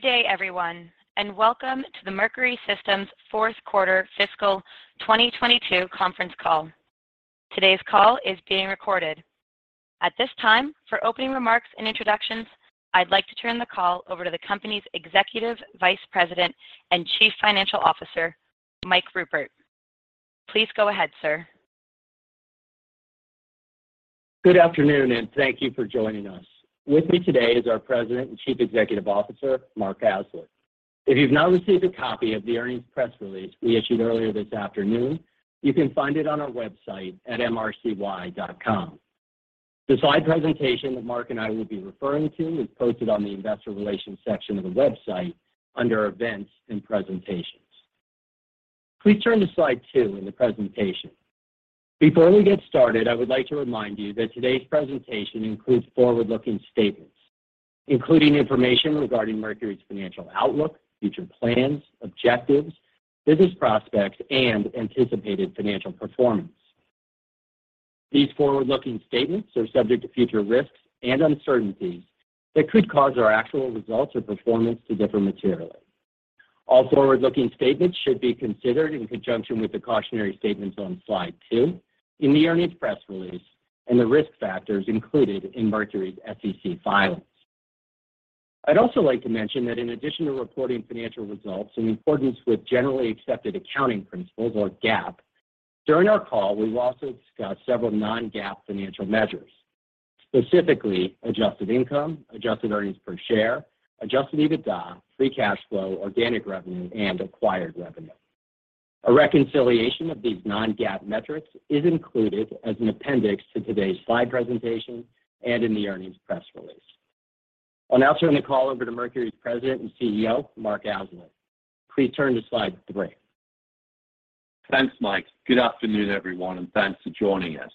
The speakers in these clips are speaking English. Good day, everyone, and welcome to the Mercury Systems fourth quarter fiscal 2022 conference call. Today's call is being recorded. At this time, for opening remarks and introductions, I'd like to turn the call over to the company's Executive Vice President and Chief Financial Officer, Mike Ruppert. Please go ahead, sir. Good afternoon, and thank you for joining us. With me today is our President and Chief Executive Officer, Mark Aslett. If you've not received a copy of the earnings press release we issued earlier this afternoon, you can find it on our website at mrcy.com. The slide presentation that Mark and I will be referring to is posted on the Investor Relations section of the website under Events and Presentations. Please turn to slide two in the presentation. Before we get started, I would like to remind you that today's presentation includes forward-looking statements, including information regarding Mercury's financial outlook, future plans, objectives, business prospects, and anticipated financial performance. These forward-looking statements are subject to future risks and uncertainties that could cause our actual results or performance to differ materially. All forward-looking statements should be considered in conjunction with the cautionary statements on slide two in the earnings press release and the risk factors included in Mercury's SEC filing. I'd also like to mention that in addition to reporting financial results in accordance with generally accepted accounting principles or GAAP, during our call, we will also discuss several non-GAAP financial measures, specifically adjusted income, adjusted earnings per share, adjusted EBITDA, free cash flow, organic revenue, and acquired revenue. A reconciliation of these non-GAAP metrics is included as an appendix to today's slide presentation and in the earnings press release. I'll now turn the call over to Mercury's President and CEO, Mark Aslett. Please turn to slide three. Thanks, Mike. Good afternoon, everyone, and thanks for joining us.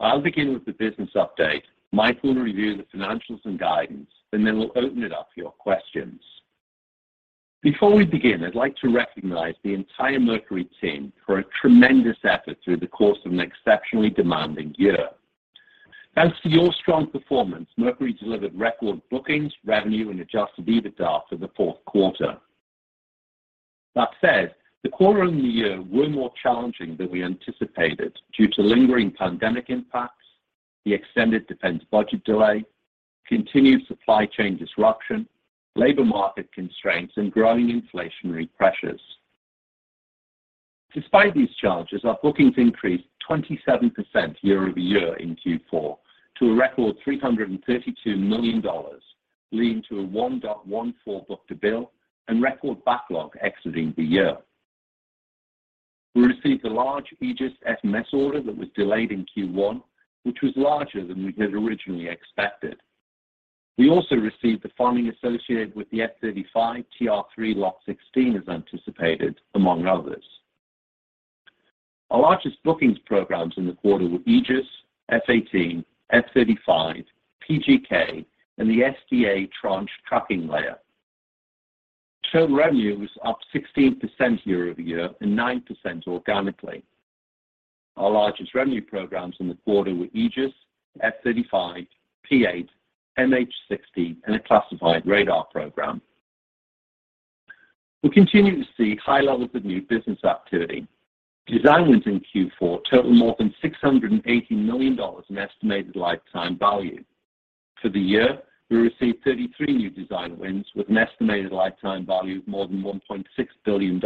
I'll begin with the business update. Mike will review the financials and guidance, and then we'll open it up for your questions. Before we begin, I'd like to recognize the entire Mercury team for a tremendous effort through the course of an exceptionally demanding year. Thanks to your strong performance, Mercury delivered record bookings, revenue, and adjusted EBITDA for the fourth quarter. That said, the quarter and the year were more challenging than we anticipated due to lingering pandemic impacts, the extended defense budget delay, continued supply chain disruption, labor market constraints, and growing inflationary pressures. Despite these challenges, our bookings increased 27% year-over-year in Q4 to a record $332 million, leading to a 1.14 book-to-bill and record backlog exiting the year. We received a large Aegis FMS order that was delayed in Q1, which was larger than we had originally expected. We also received the funding associated with the F-35 TR3 lot sixteen as anticipated, among others. Our largest bookings programs in the quarter were Aegis, F-18, F-35, PGK, and the SDA Tranche tracking layer. Total revenue was up 16% year-over-year and 9% organically. Our largest revenue programs in the quarter were Aegis, F-35, P-8, MH60, and a classified radar program. We continue to see high levels of new business activity. Design wins in Q4 totaled more than $680 million in estimated lifetime value. For the year, we received 33 new design wins with an estimated lifetime value of more than $1.6 billion,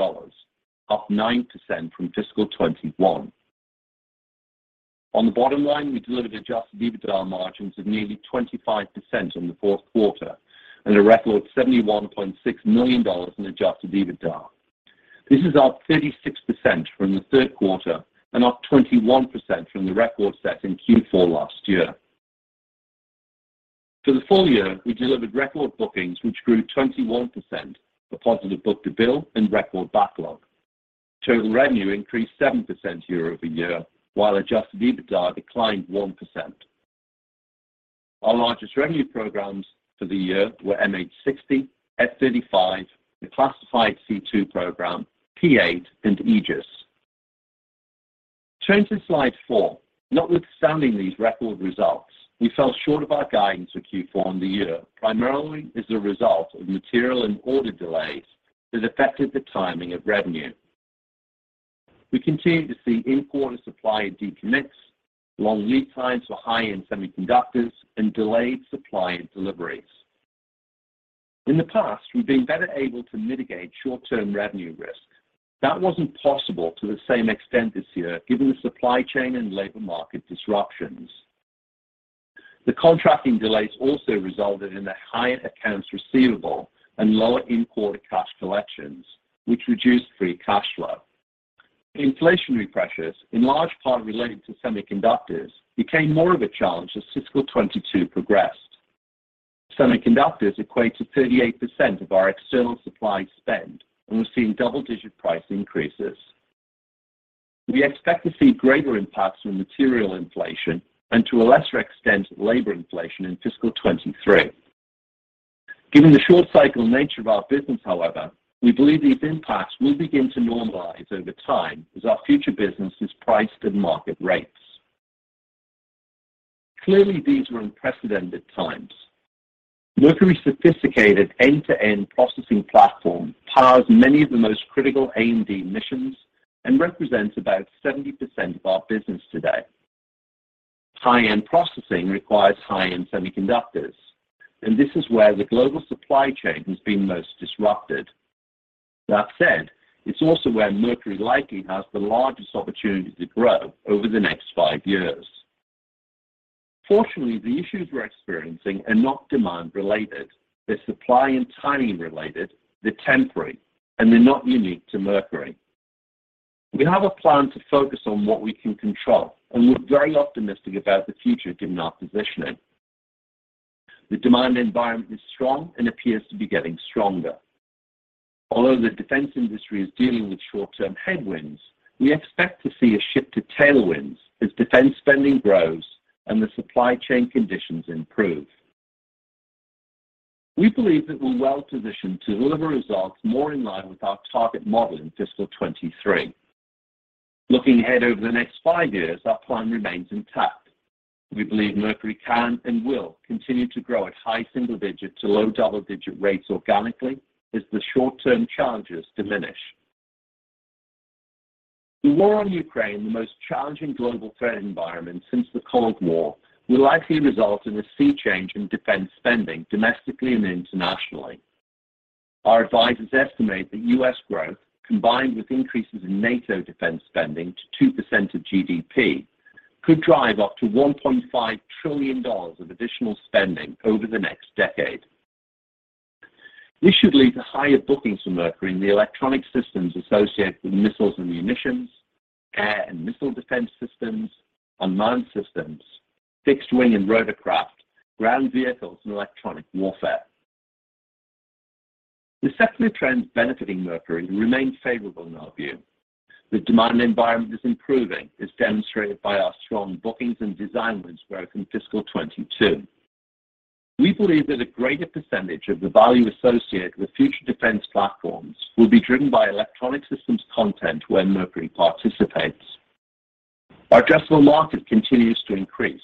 up 9% from fiscal 2021. On the bottom line, we delivered adjusted EBITDA margins of nearly 25% in the fourth quarter and a record $71.6 million in adjusted EBITDA. This is up 36% from the third quarter and up 21% from the record set in Q4 last year. For the full year, we delivered record bookings which grew 21%, a positive book-to-bill, and record backlog. Total revenue increased 7% year-over-year, while adjusted EBITDA declined 1%. Our largest revenue programs for the year were MH-60, F-35, the classified C2 program, P-8, and Aegis. Turning to slide 4. Notwithstanding these record results, we fell short of our guidance for Q4 on the year, primarily as a result of material and order delays that affected the timing of revenue. We continue to see import and supply disconnects, long lead times for high-end semiconductors, and delayed supply and deliveries. In the past, we've been better able to mitigate short-term revenue risk. That wasn't possible to the same extent this year, given the supply chain and labor market disruptions. The contracting delays also resulted in the higher accounts receivable and lower import cash collections, which reduced free cash flow. Inflationary pressures, in large part related to semiconductors, became more of a challenge as fiscal 2022 progressed. Semiconductors equate to 38% of our external supply spend, and we're seeing double-digit price increases. We expect to see greater impacts from material inflation and to a lesser extent, labor inflation in fiscal 2023. Given the short cycle nature of our business, however, we believe these impacts will begin to normalize over time as our future business is priced at market rates. Clearly, these are unprecedented times. Mercury's sophisticated end-to-end processing platform powers many of the most critical AMD missions and represents about 70% of our business today. High-end processing requires high-end semiconductors, and this is where the global supply chain has been most disrupted. That said, it's also where Mercury likely has the largest opportunity to grow over the next five years. Fortunately, the issues we're experiencing are not demand-related. They're supply and timing-related, they're temporary, and they're not unique to Mercury. We have a plan to focus on what we can control, and we're very optimistic about the future given our positioning. The demand environment is strong and appears to be getting stronger. Although the defense industry is dealing with short-term headwinds, we expect to see a shift to tailwinds as defense spending grows and the supply chain conditions improve. We believe that we're well-positioned to deliver results more in line with our target model in fiscal 2023. Looking ahead over the next five years, our plan remains intact. We believe Mercury can and will continue to grow at high single digit to low double-digit rates organically as the short-term challenges diminish. The war on Ukraine, the most challenging global threat environment since the Cold War, will likely result in a sea change in defense spending domestically and internationally. Our advisors estimate that U.S. growth, combined with increases in NATO defense spending to 2% of GDP, could drive up to $1.5 trillion of additional spending over the next decade. This should lead to higher bookings for Mercury in the electronic systems associated with missiles and munitions, air and missile defense systems, unmanned systems, fixed wing and rotorcraft, ground vehicles, and electronic warfare. The secular trends benefiting Mercury remain favorable in our view. The demand environment is improving, as demonstrated by our strong bookings and design wins growth in fiscal 2022. We believe that a greater percentage of the value associated with future defense platforms will be driven by electronic systems content where Mercury participates. Our addressable market continues to increase,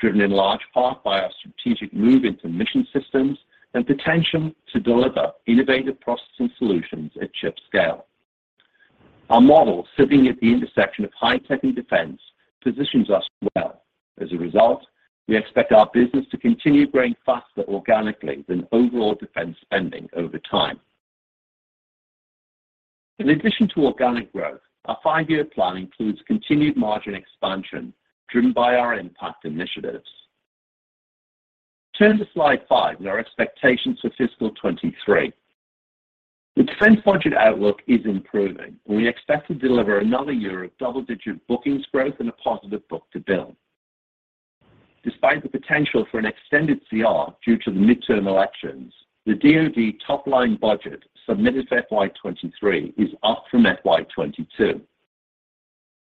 driven in large part by our strategic move into mission systems and potential to deliver innovative processing solutions at chip scale. Our model, sitting at the intersection of high-tech and defense, positions us well. As a result, we expect our business to continue growing faster organically than overall defense spending over time. In addition to organic growth, our five-year plan includes continued margin expansion driven by our Impact initiatives. Turn to slide five and our expectations for fiscal 2023. The defense budget outlook is improving, and we expect to deliver another year of double-digit bookings growth and a positive book-to-bill. Despite the potential for an extended CR due to the midterm elections, the DoD top-line budget submitted for FY 2023 is up from FY 2022.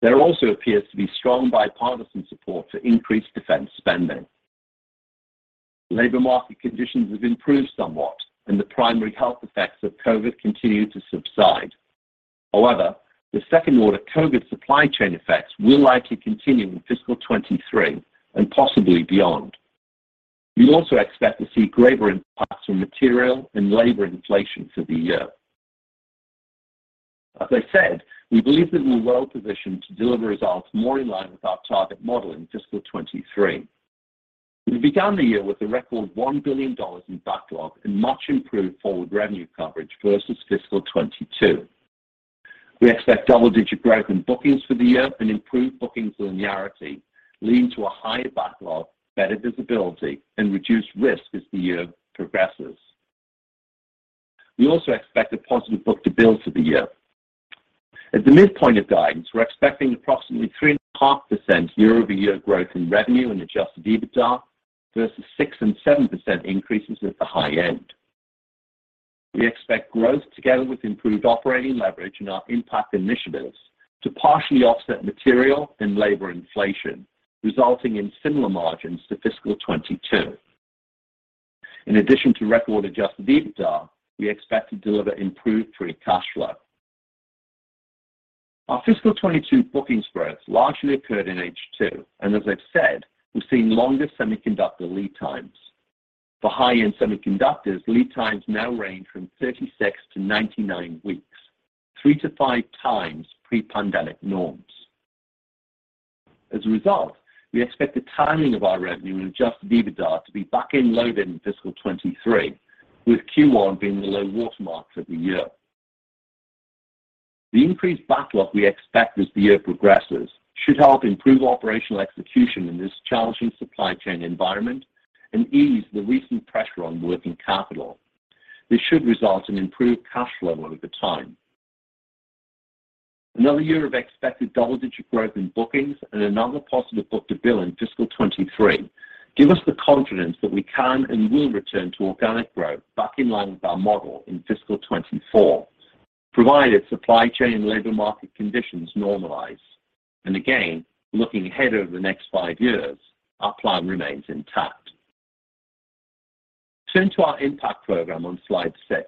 There also appears to be strong bipartisan support for increased defense spending. Labor market conditions have improved somewhat, and the primary health effects of COVID continue to subside. However, the second order COVID supply chain effects will likely continue in fiscal 2023 and possibly beyond. We also expect to see greater impacts from material and labor inflation for the year. As I said, we believe that we're well-positioned to deliver results more in line with our target model in fiscal 2023. We began the year with a record $1 billion in backlog and much improved forward revenue coverage versus fiscal 2022. We expect double-digit growth in bookings for the year and improved bookings linearity leading to a higher backlog, better visibility, and reduced risk as the year progresses. We also expect a positive book-to-bill for the year. At the midpoint of guidance, we're expecting approximately 3.5% year-over-year growth in revenue and adjusted EBITDA versus 6% and 7% increases at the high end. We expect growth together with improved operating leverage in our Impact initiatives to partially offset material and labor inflation, resulting in similar margins to fiscal 2022. In addition to record adjusted EBITDA, we expect to deliver improved free cash flow. Our fiscal 2022 bookings growth largely occurred in H2, and as I've said, we've seen longer semiconductor lead times. For high-end semiconductors, lead times now range from 36-99 weeks, three to five times pre-pandemic norms. As a result, we expect the timing of our revenue and adjusted EBITDA to be back-end loaded in fiscal 2023, with Q1 being the low water mark for the year. The increased backlog we expect as the year progresses should help improve operational execution in this challenging supply chain environment and ease the recent pressure on working capital. This should result in improved cash flow over time. Another year of expected double-digit growth in bookings and another positive book-to-bill in fiscal 2023 give us the confidence that we can and will return to organic growth back in line with our model in fiscal 2024, provided supply chain and labor market conditions normalize. Again, looking ahead over the next five years, our plan remains intact. Turn to our Impact program on slide 6.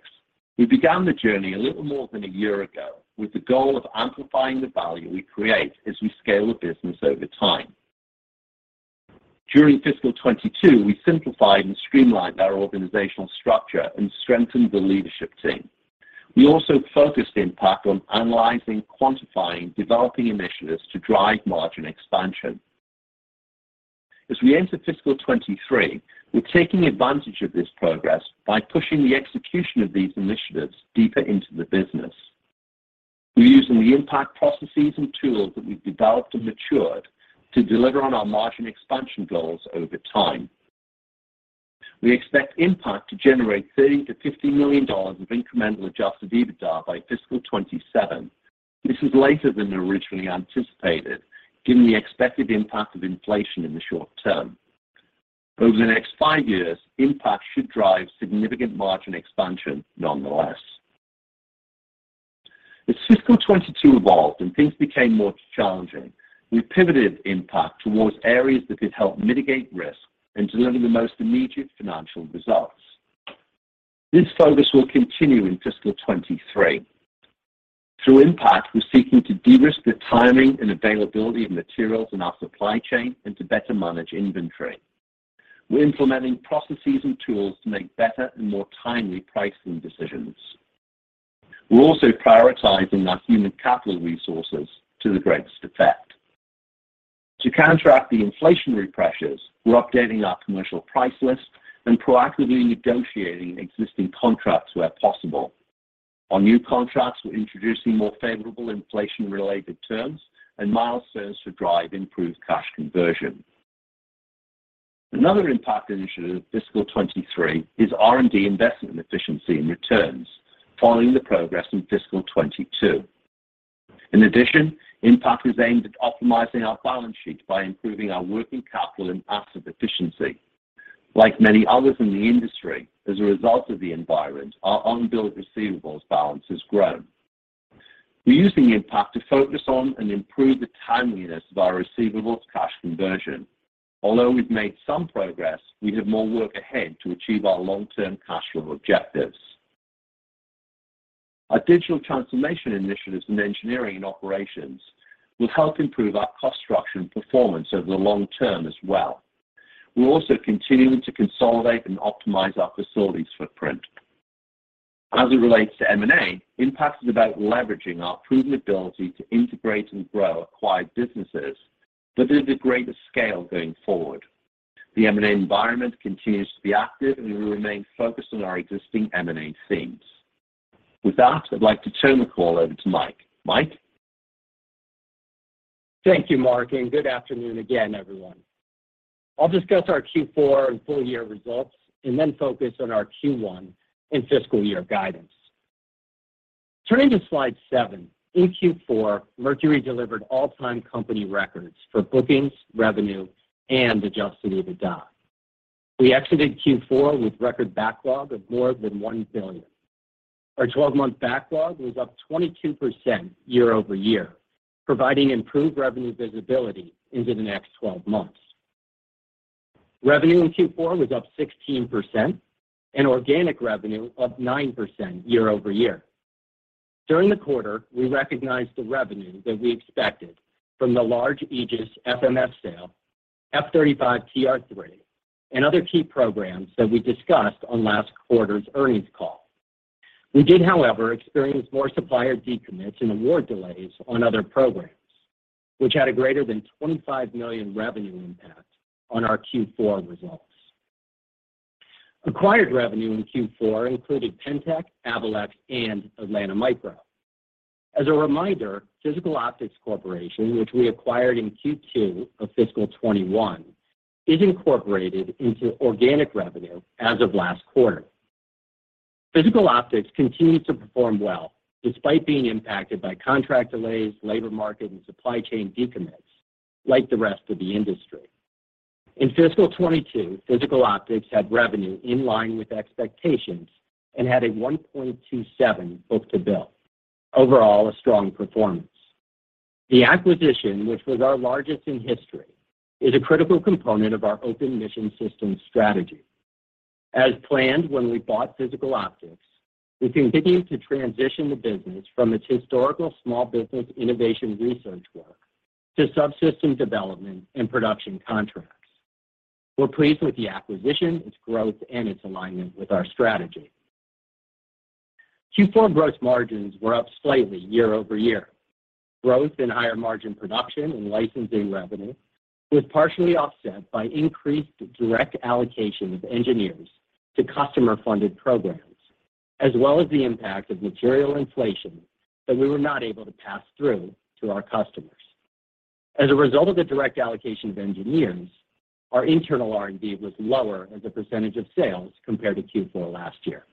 We began the journey a little more than a year ago with the goal of amplifying the value we create as we scale the business over time. During fiscal 2022, we simplified and streamlined our organizational structure and strengthened the leadership team. We also focused Impact on analyzing, quantifying, developing initiatives to drive margin expansion. As we enter fiscal 2023, we're taking advantage of this progress by pushing the execution of these initiatives deeper into the business. We're using the Impact processes and tools that we've developed and matured to deliver on our margin expansion goals over time. We expect Impact to generate $30 million-$50 million of incremental adjusted EBITDA by fiscal 2027. This is later than originally anticipated, given the expected impact of inflation in the short term. Over the next five years, Impact should drive significant margin expansion nonetheless. As fiscal 2022 evolved and things became more challenging, we pivoted Impact towards areas that could help mitigate risk and deliver the most immediate financial results. This focus will continue in fiscal 2023. Through Impact, we're seeking to de-risk the timing and availability of materials in our supply chain and to better manage inventory. We're implementing processes and tools to make better and more timely pricing decisions. We're also prioritizing our human capital resources to the greatest effect. To counteract the inflationary pressures, we're updating our commercial price list and proactively negotiating existing contracts where possible. On new contracts, we're introducing more favorable inflation-related terms and milestones to drive improved cash conversion. Another Impact initiative in fiscal 2023 is R&D investment efficiency and returns, following the progress in fiscal 2022. In addition, Impact is aimed at optimizing our balance sheet by improving our working capital and asset efficiency. Like many others in the industry, as a result of the environment, our unbilled receivables balance has grown. We're using Impact to focus on and improve the timeliness of our receivables cash conversion. Although we've made some progress, we have more work ahead to achieve our long-term cash flow objectives. Our digital transformation initiatives in engineering and operations will help improve our cost structure and performance over the long term as well. We're also continuing to consolidate and optimize our facilities footprint. As it relates to M&A, Impact is about leveraging our proven ability to integrate and grow acquired businesses, but at a greater scale going forward. The M&A environment continues to be active, and we remain focused on our existing M&A themes. With that, I'd like to turn the call over to Mike. Mike? Thank you, Mark, and good afternoon again, everyone. I'll discuss our Q4 and full year results and then focus on our Q1 and fiscal year guidance. Turning to slide seven. In Q4, Mercury delivered all-time company records for bookings, revenue, and adjusted EBITDA. We exited Q4 with record backlog of more than $1 billion. Our 12-month backlog was up 22% year-over-year, providing improved revenue visibility into the next 12 months. Revenue in Q4 was up 16% and organic revenue up 9% year-over-year. During the quarter, we recognized the revenue that we expected from the large Aegis FMS sale, F-35 TR3, and other key programs that we discussed on last quarter's earnings call. We did, however, experience more supplier decommits and award delays on other programs, which had a greater than $25 million revenue impact on our Q4 results. Acquired revenue in Q4 included Pentek, Avalex, and Atlanta Micro. As a reminder, Physical Optics Corporation, which we acquired in Q2 of fiscal 2021, is incorporated into organic revenue as of last quarter. Physical Optics continued to perform well, despite being impacted by contract delays, labor market, and supply chain decommits like the rest of the industry. In fiscal 2022, Physical Optics had revenue in line with expectations and had a 1.27 book-to-bill. Overall, a strong performance. The acquisition, which was our largest in history, is a critical component of our open mission systems strategy. As planned when we bought Physical Optics, we continue to transition the business from its historical small business innovation research work to subsystem development and production contracts. We're pleased with the acquisition, its growth, and its alignment with our strategy. Q4 gross margins were up slightly year-over-year. Growth in higher margin production and licensing revenue was partially offset by increased direct allocation of engineers to customer-funded programs, as well as the impact of material inflation that we were not able to pass through to our customers. As a result of the direct allocation of engineers, our internal R&D was lower as a percentage of sales compared to Q4 last year.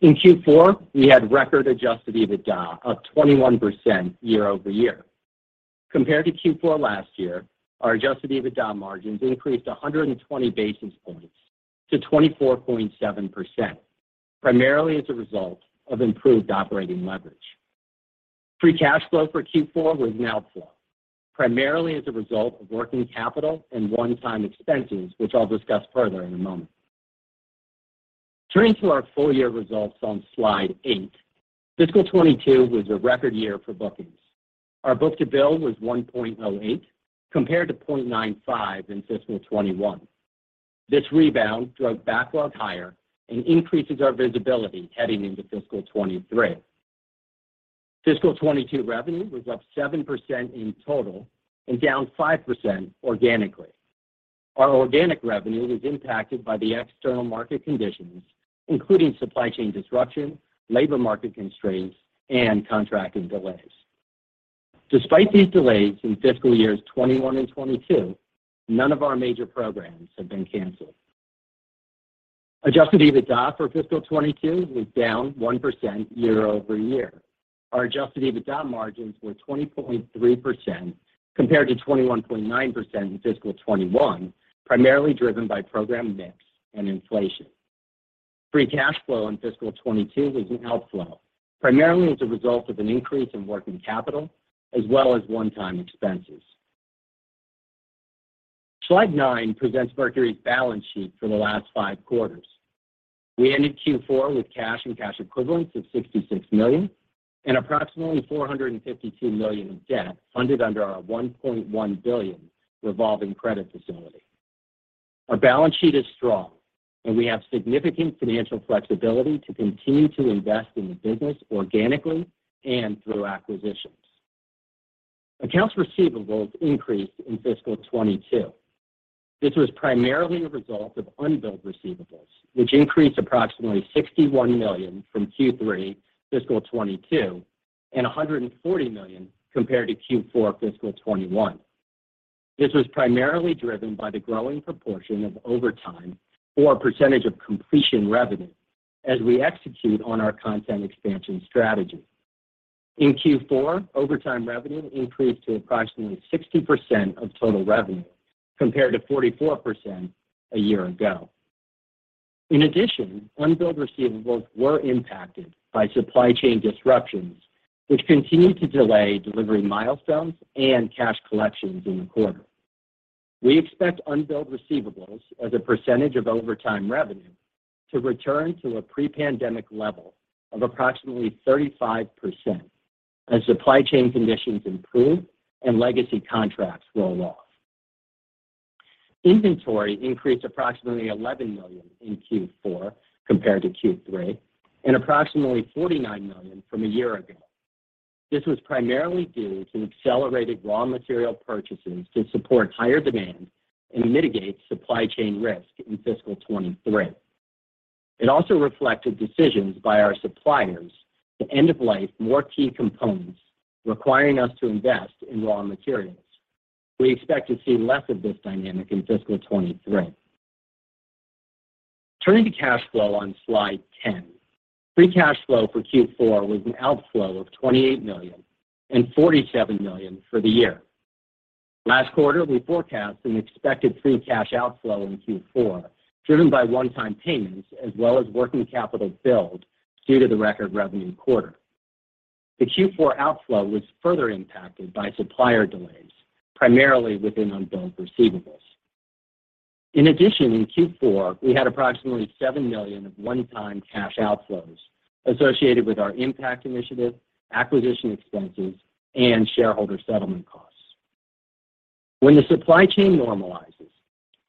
In Q4, we had record adjusted EBITDA of 21% year-over-year. Compared to Q4 last year, our adjusted EBITDA margins increased 120 basis points to 24.7%, primarily as a result of improved operating leverage. Free cash flow for Q4 was an outflow, primarily as a result of working capital and one-time expenses, which I'll discuss further in a moment. Turning to our full year results on slide 8, fiscal 2022 was a record year for bookings. Our book-to-bill was 1.08, compared to 0.95 in fiscal 2021. This rebound drove backlog higher and increases our visibility heading into fiscal 2023. Fiscal 2022 revenue was up 7% in total and down 5% organically. Our organic revenue was impacted by the external market conditions, including supply chain disruption, labor market constraints, and contracting delays. Despite these delays in fiscal years 2021 and 2022, none of our major programs have been canceled. Adjusted EBITDA for fiscal 2022 was down 1% year-over-year. Our adjusted EBITDA margins were 20.3% compared to 21.9% in fiscal 2021, primarily driven by program mix and inflation. Free cash flow in fiscal 2022 was an outflow, primarily as a result of an increase in working capital as well as one-time expenses. Slide nine presents Mercury's balance sheet for the last five quarters. We ended Q4 with cash and cash equivalents of $66 million and approximately $452 million in debt funded under our $1.1 billion revolving credit facility. Our balance sheet is strong, and we have significant financial flexibility to continue to invest in the business organically and through acquisitions. Accounts receivables increased in fiscal 2022. This was primarily a result of unbilled receivables, which increased approximately $61 million from Q3 fiscal 2022 and $140 million compared to Q4 fiscal 2021. This was primarily driven by the growing proportion of over time or percentage of completion revenue as we execute on our content expansion strategy. In Q4, over time revenue increased to approximately 60% of total revenue, compared to 44% a year ago. In addition, unbilled receivables were impacted by supply chain disruptions, which continued to delay delivery milestones and cash collections in the quarter. We expect unbilled receivables as a percentage of total revenue to return to a pre-pandemic level of approximately 35% as supply chain conditions improve and legacy contracts roll off. Inventory increased approximately $11 million in Q4 compared to Q3 and approximately $49 million from a year ago. This was primarily due to accelerated raw material purchases to support higher demand and mitigate supply chain risk in fiscal 2023. It also reflected decisions by our suppliers to end of life more key components, requiring us to invest in raw materials. We expect to see less of this dynamic in fiscal 2023. Turning to cash flow on slide 10, free cash flow for Q4 was an outflow of $28 million and $47 million for the year. Last quarter, we forecast an expected free cash outflow in Q4, driven by one-time payments as well as working capital build due to the record revenue quarter. The Q4 outflow was further impacted by supplier delays, primarily within unbilled receivables. In addition, in Q4, we had approximately $7 million of one-time cash outflows associated with our Impact initiative, acquisition expenses, and shareholder settlement costs. When the supply chain normalizes,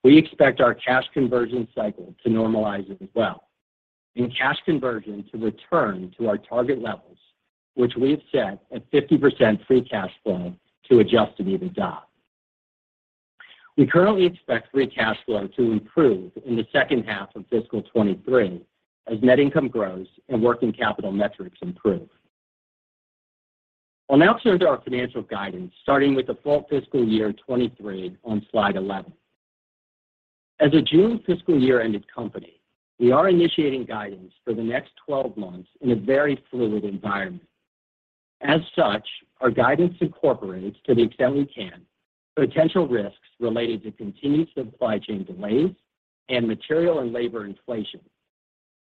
we expect our cash conversion cycle to normalize as well and cash conversion to return to our target levels, which we have set at 50% free cash flow to adjusted EBITDA. We currently expect free cash flow to improve in the H2 of fiscal 2023 as net income grows and working capital metrics improve. I'll now turn to our financial guidance, starting with the full fiscal year 2023 on slide 11. As a June fiscal year-ended company, we are initiating guidance for the next 12 months in a very fluid environment. As such, our guidance incorporates, to the extent we can, potential risks related to continued supply chain delays and material and labor inflation,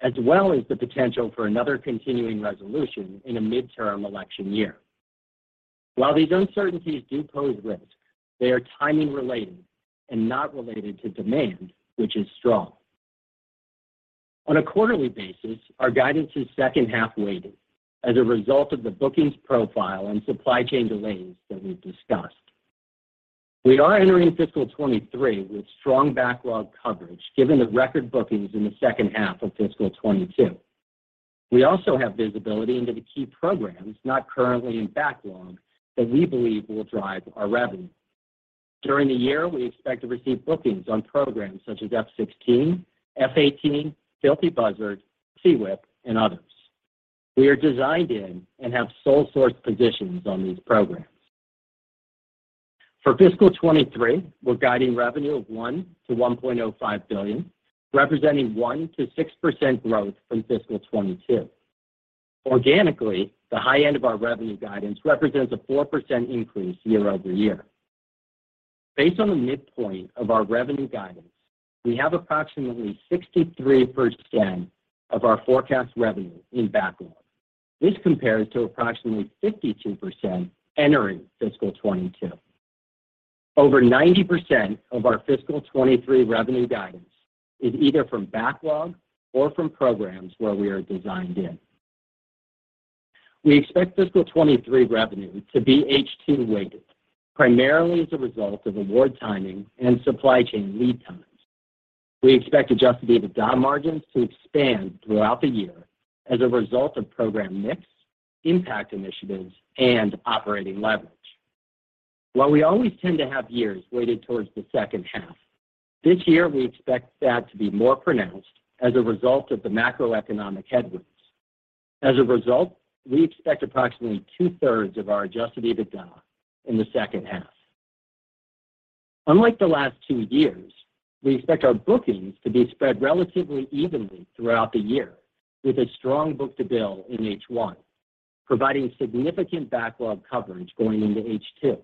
as well as the potential for another continuing resolution in a midterm election year. While these uncertainties do pose risk, they are timing related and not related to demand, which is strong. On a quarterly basis, our guidance is H2 weighted as a result of the bookings profile and supply chain delays that we've discussed. We are entering fiscal 2023 with strong backlog coverage given the record bookings in the H2 of fiscal 2022. We also have visibility into the key programs not currently in backlog that we believe will drive our revenue. During the year, we expect to receive bookings on programs such as F-16, F-18, GILDED BUZZARD, SEWIP, and others. We are designed in and have sole source positions on these programs. For fiscal 2023, we're guiding revenue of $1 billion-$1.05 billion, representing 1%-6% growth from fiscal 2022. Organically, the high end of our revenue guidance represents a 4% increase year-over-year. Based on the midpoint of our revenue guidance, we have approximately 63% of our forecast revenue in backlog. This compares to approximately 52% entering fiscal 2022. Over 90% of our fiscal 2023 revenue guidance is either from backlog or from programs where we are designed in. We expect fiscal 2023 revenue to be H2-weighted, primarily as a result of award timing and supply chain lead times. We expect adjusted EBITDA margins to expand throughout the year as a result of program mix, Impact initiatives, and operating leverage. While we always tend to have years weighted towards the H2, this year we expect that to be more pronounced as a result of the macroeconomic headwinds. As a result, we expect approximately two-thirds of our adjusted EBITDA in the H2. Unlike the last two years, we expect our bookings to be spread relatively evenly throughout the year, with a strong book-to-bill in H1, providing significant backlog coverage going into H2.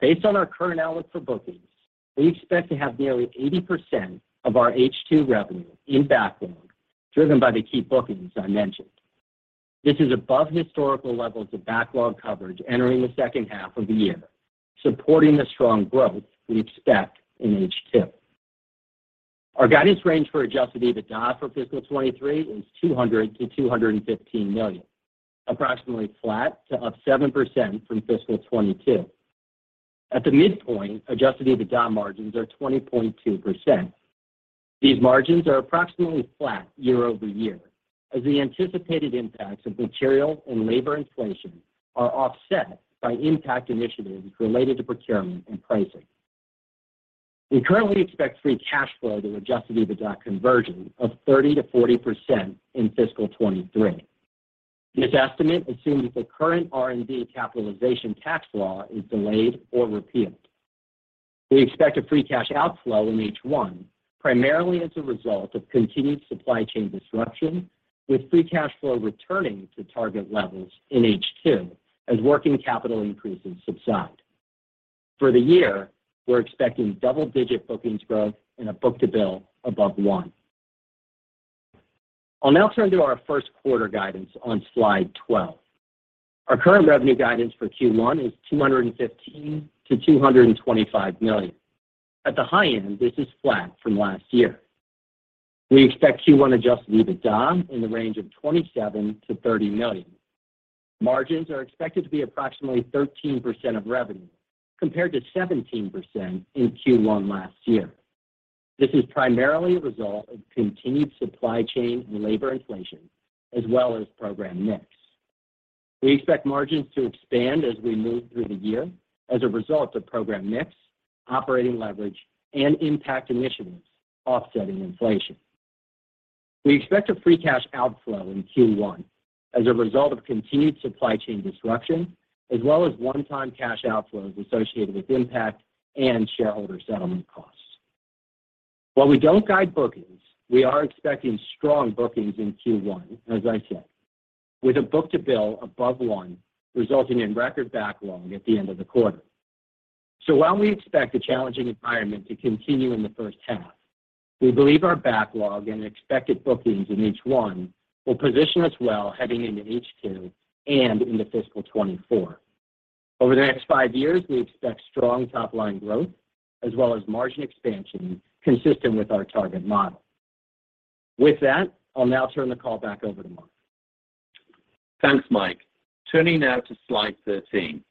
Based on our current outlook for bookings, we expect to have nearly 80% of our H2 revenue in backlog, driven by the key bookings I mentioned. This is above historical levels of backlog coverage entering the H2 of the year, supporting the strong growth we expect in H2. Our guidance range for adjusted EBITDA for fiscal 2023 is $200 million-$215 million, approximately flat to up 7% from fiscal 2022. At the midpoint, adjusted EBITDA margins are 20.2%. These margins are approximately flat year-over-year as the anticipated impacts of material and labor inflation are offset by Impact initiatives related to procurement and pricing. We currently expect free cash flow to adjusted EBITDA conversion of 30%-40% in fiscal 2023. This estimate assumes the current R&D capitalization tax law is delayed or repealed. We expect a free cash outflow in H1 primarily as a result of continued supply chain disruption, with free cash flow returning to target levels in H2 as working capital increases subside. For the year, we're expecting double-digit bookings growth in a book-to-bill above one. I'll now turn to our first quarter guidance on slide 12. Our current revenue guidance for Q1 is $215 million-$225 million. At the high end, this is flat from last year. We expect Q1 adjusted EBITDA in the range of $27 million-$30 million. Margins are expected to be approximately 13% of revenue, compared to 17% in Q1 last year. This is primarily a result of continued supply chain and labor inflation as well as program mix. We expect margins to expand as we move through the year as a result of program mix, operating leverage, and Impact initiatives offsetting inflation. We expect a free cash outflow in Q1 as a result of continued supply chain disruption, as well as one-time cash outflows associated with Impact and shareholder settlement costs. While we don't guide bookings, we are expecting strong bookings in Q1, as I said, with a book-to-bill above one, resulting in record backlog at the end of the quarter. While we expect a challenging environment to continue in the H1, we believe our backlog and expected bookings in H1 will position us well heading into H2 and into fiscal 2024. Over the next five years, we expect strong top-line growth as well as margin expansion consistent with our target model. With that, I'll now turn the call back over to Mark. Thanks, Mike. Turning now to slide 13.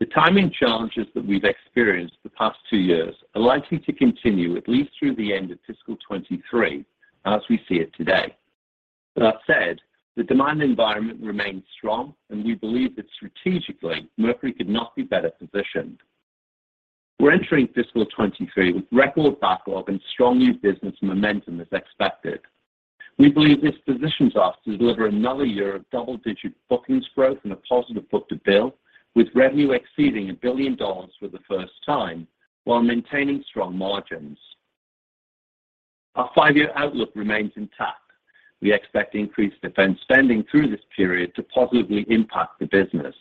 The timing challenges that we've experienced the past two years are likely to continue at least through the end of fiscal 2023 as we see it today. That said, the demand environment remains strong, and we believe that strategically, Mercury could not be better positioned. We're entering fiscal 2023 with record backlog, and strong new business momentum is expected. We believe this positions us to deliver another year of double-digit bookings growth and a positive book-to-bill, with revenue exceeding $1 billion for the first time while maintaining strong margins. Our five-year outlook remains intact. We expect increased defense spending through this period to positively impact the business.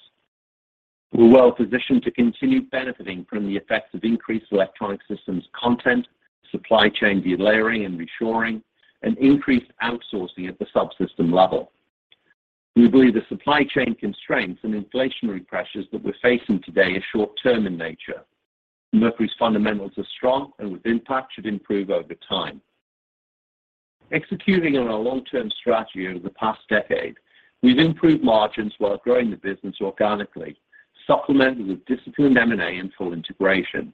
We're well positioned to continue benefiting from the effects of increased electronic systems content, supply chain delayering and reshoring, and increased outsourcing at the subsystem level. We believe the supply chain constraints and inflationary pressures that we're facing today are short-term in nature. Mercury's fundamentals are strong and with Impact, should improve over time. Executing on our long-term strategy over the past decade, we've improved margins while growing the business organically, supplemented with disciplined M&A and full integration.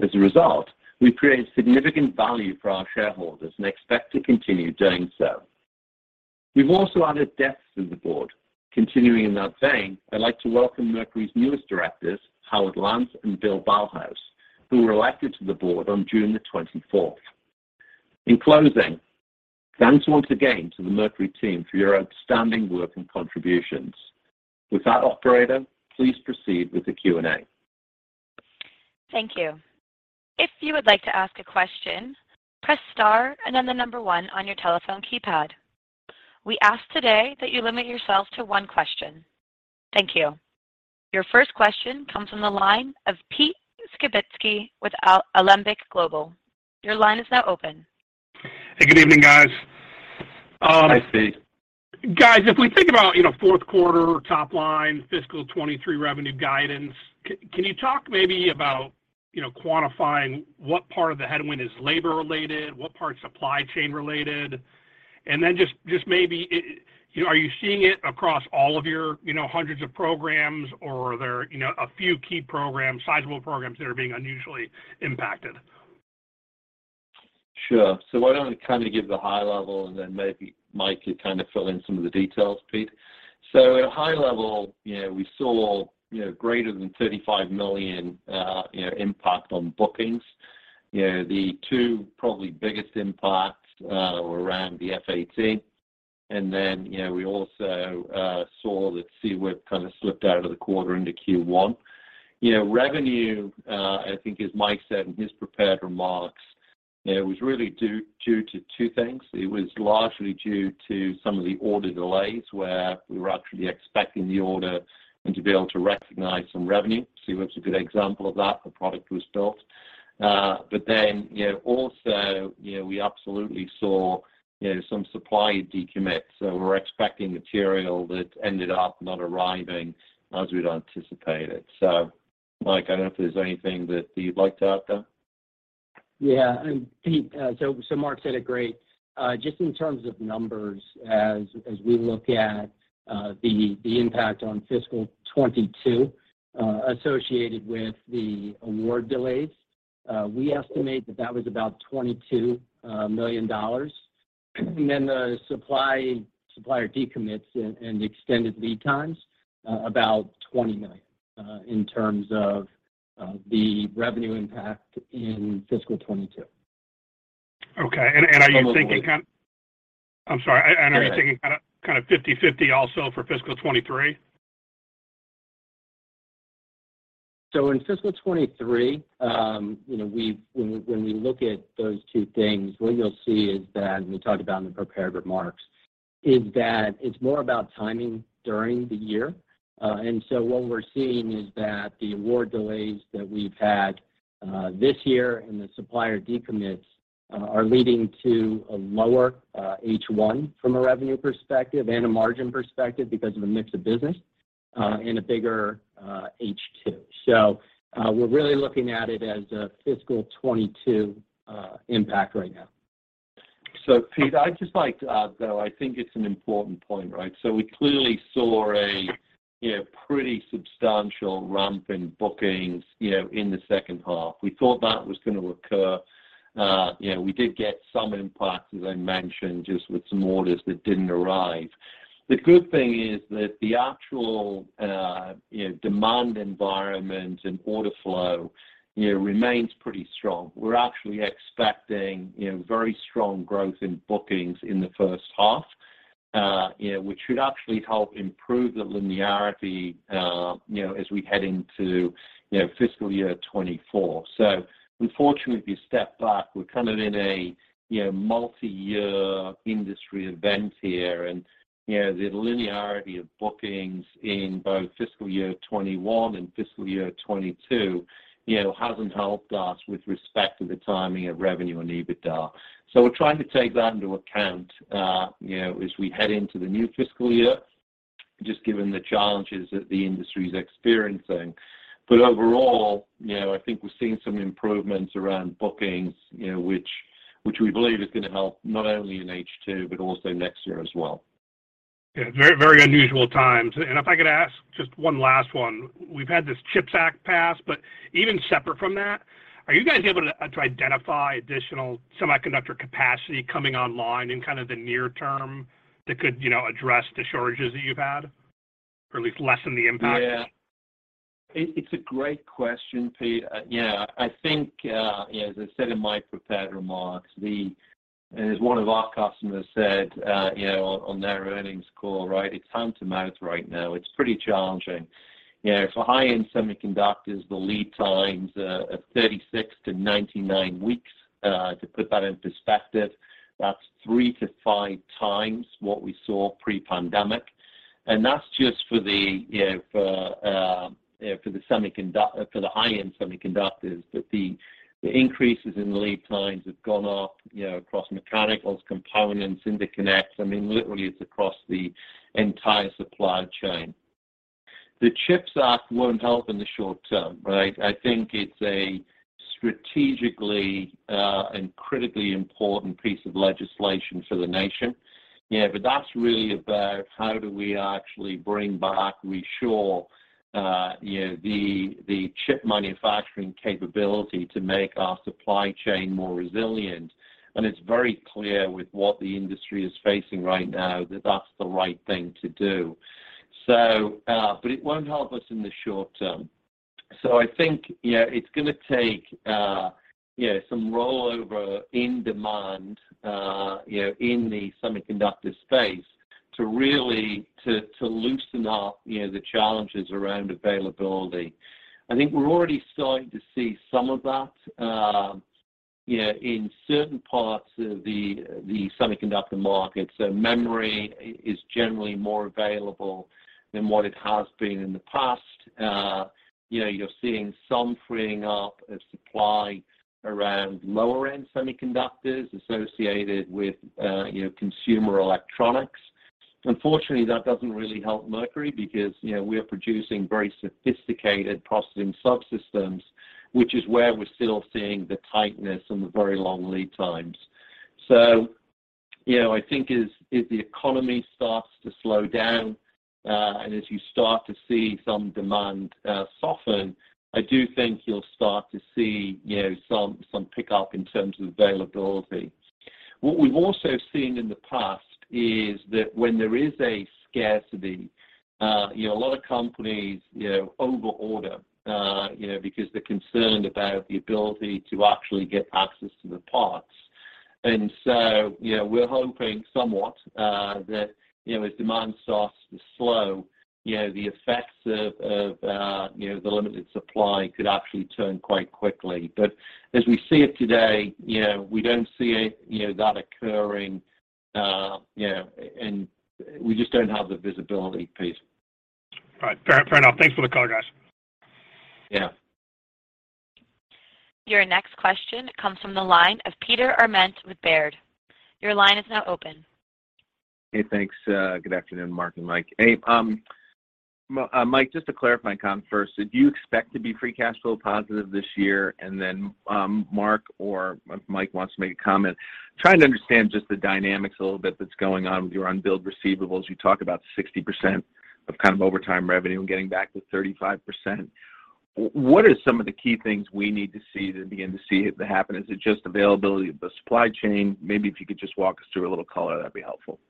As a result, we've created significant value for our shareholders and expect to continue doing so. We've also added depth to the board. Continuing in that vein, I'd like to welcome Mercury's newest directors, Howard Lance and Bill Ballhaus, who were elected to the board on June 24. In closing, thanks once again to the Mercury team for your outstanding work and contributions. With that, operator, please proceed with the Q&A. Thank you. If you would like to ask a question, press star and then the number one on your telephone keypad. We ask today that you limit yourself to one question. Thank you. Your first question comes from the line of Peter Skibitskiy with Alembic Global. Your line is now open. Hey, good evening, guys. Hi, Pete. Guys, if we think about, you know, fourth quarter top line fiscal 2023 revenue guidance, can you talk maybe about, you know, quantifying what part of the headwind is labor-related, what part's supply chain-related? Then just maybe, you know, are you seeing it across all of your, you know, hundreds of programs, or are there, you know, a few key programs, sizable programs that are being unusually impacted? Sure. Why don't I kind of give the high level, and then maybe Mike can kind of fill in some of the details, Pete. At a high level, you know, we saw, you know, greater than $35 million, you know, impact on bookings. You know, the two probably biggest impacts were around the F-18, and then, you know, we also saw that SEWIP kind of slipped out of the quarter into Q1. You know, revenue, I think as Mike said in his prepared remarks, you know, was really due to two things. It was largely due to some of the order delays, where we were actually expecting the order and to be able to recognize some revenue. SEWIP's a good example of that. The product was built. But then, you know, also, you know, we absolutely saw, you know, some supply decommit. We're expecting material that ended up not arriving as we'd anticipated. Mike, I don't know if there's anything that you'd like to add to that. Yeah. Pete, so Mark said it great. Just in terms of numbers, as we look at the impact on fiscal 2022 associated with the award delays, we estimate that was about $22 million. The supplier decommits and the extended lead times about $20 million in terms of the revenue impact in fiscal 2022. Okay. Are you thinking kind- We're thinking. I'm sorry. Go ahead. Are you thinking kinda 50/50 also for fiscal 2023? In fiscal 2023, you know, we've, when we look at those two things, what you'll see is that, and we talked about in the prepared remarks, is that it's more about timing during the year. What we're seeing is that the award delays that we've had this year and the supplier decommits are leading to a lower H1 from a revenue perspective and a margin perspective because of the mix of business and a bigger H2. We're really looking at it as a fiscal 2022 impact right now. Pete, I'd just like to add, though, I think it's an important point, right? We clearly saw a, you know, pretty substantial ramp in bookings, you know, in the H2. We thought that was gonna occur. You know, we did get some impact, as I mentioned, just with some orders that didn't arrive. The good thing is that the actual, you know, demand environment and order flow, you know, remains pretty strong. We're actually expecting, you know, very strong growth in bookings in the H1, you know, which should actually help improve the linearity, you know, as we head into, you know, fiscal year 2024. Unfortunately, if you step back, we're kind of in a, you know, multiyear industry event here. You know, the linearity of bookings in both fiscal year 2021 and fiscal year 2022, you know, hasn't helped us with respect to the timing of revenue and EBITDA. We're trying to take that into account, you know, as we head into the new fiscal year, just given the challenges that the industry's experiencing. Overall, you know, I think we're seeing some improvements around bookings, you know, which we believe is gonna help not only in H2, but also next year as well. Yeah. Very, very unusual times. If I could ask just one last one. We've had this CHIPS Act pass, but even separate from that, are you guys able to identify additional semiconductor capacity coming online in kind of the near term that could, you know, address the shortages that you've had, or at least lessen the impact? Yeah. It's a great question, Pete. Yeah, I think, you know, as I said in my prepared remarks, as one of our customers said, you know, on their earnings call, right? It's hand to mouth right now. It's pretty challenging. You know, for high-end semiconductors, the lead times of 36-99 weeks, to put that in perspective, that's three to five times what we saw pre-pandemic. That's just for the, you know, for the high-end semiconductors. But the increases in lead times have gone up, you know, across mechanicals, components, interconnect. I mean, literally it's across the entire supply chain. The CHIPS Act won't help in the short term, right? I think it's a strategically and critically important piece of legislation for the nation, you know, but that's really about how do we actually bring back, reshore the chip manufacturing capability to make our supply chain more resilient. It's very clear with what the industry is facing right now that that's the right thing to do. It won't help us in the short term. I think, you know, it's gonna take, you know, some rollover in demand, you know, in the semiconductor space to really, to loosen up, you know, the challenges around availability. I think we're already starting to see some of that, yeah, in certain parts of the semiconductor market. Memory is generally more available than what it has been in the past. You know, you're seeing some freeing up of supply around lower-end semiconductors associated with, you know, consumer electronics. Unfortunately, that doesn't really help Mercury because, you know, we are producing very sophisticated processing subsystems, which is where we're still seeing the tightness and the very long lead times. You know, I think as the economy starts to slow down, and as you start to see some demand soften, I do think you'll start to see, you know, some pickup in terms of availability. What we've also seen in the past is that when there is a scarcity, you know, a lot of companies, you know, over-order, you know, because they're concerned about the ability to actually get access to the parts. You know, we're hoping somewhat that, you know, as demand starts to slow, you know, the effects of you know the limited supply could actually turn quite quickly. But as we see it today, you know, we don't see, you know, that occurring. You know, we just don't have the visibility piece. All right. Fair enough. Thanks for the color, guys. Yeah. Your next question comes from the line of Peter Arment with Baird. Your line is now open. Hey, thanks. Good afternoon, Mark and Mike. Hey, Mike, just to clarify on first, did you expect to be free cash flow positive this year? Mark or if Mike wants to make a comment, trying to understand just the dynamics a little bit that's going on with your unbilled receivables. You talk about 60% of kind of organic revenue and getting back to 35%. What are some of the key things we need to see to begin to see it to happen? Is it just availability of the supply chain? Maybe if you could just walk us through a little color, that'd be helpful.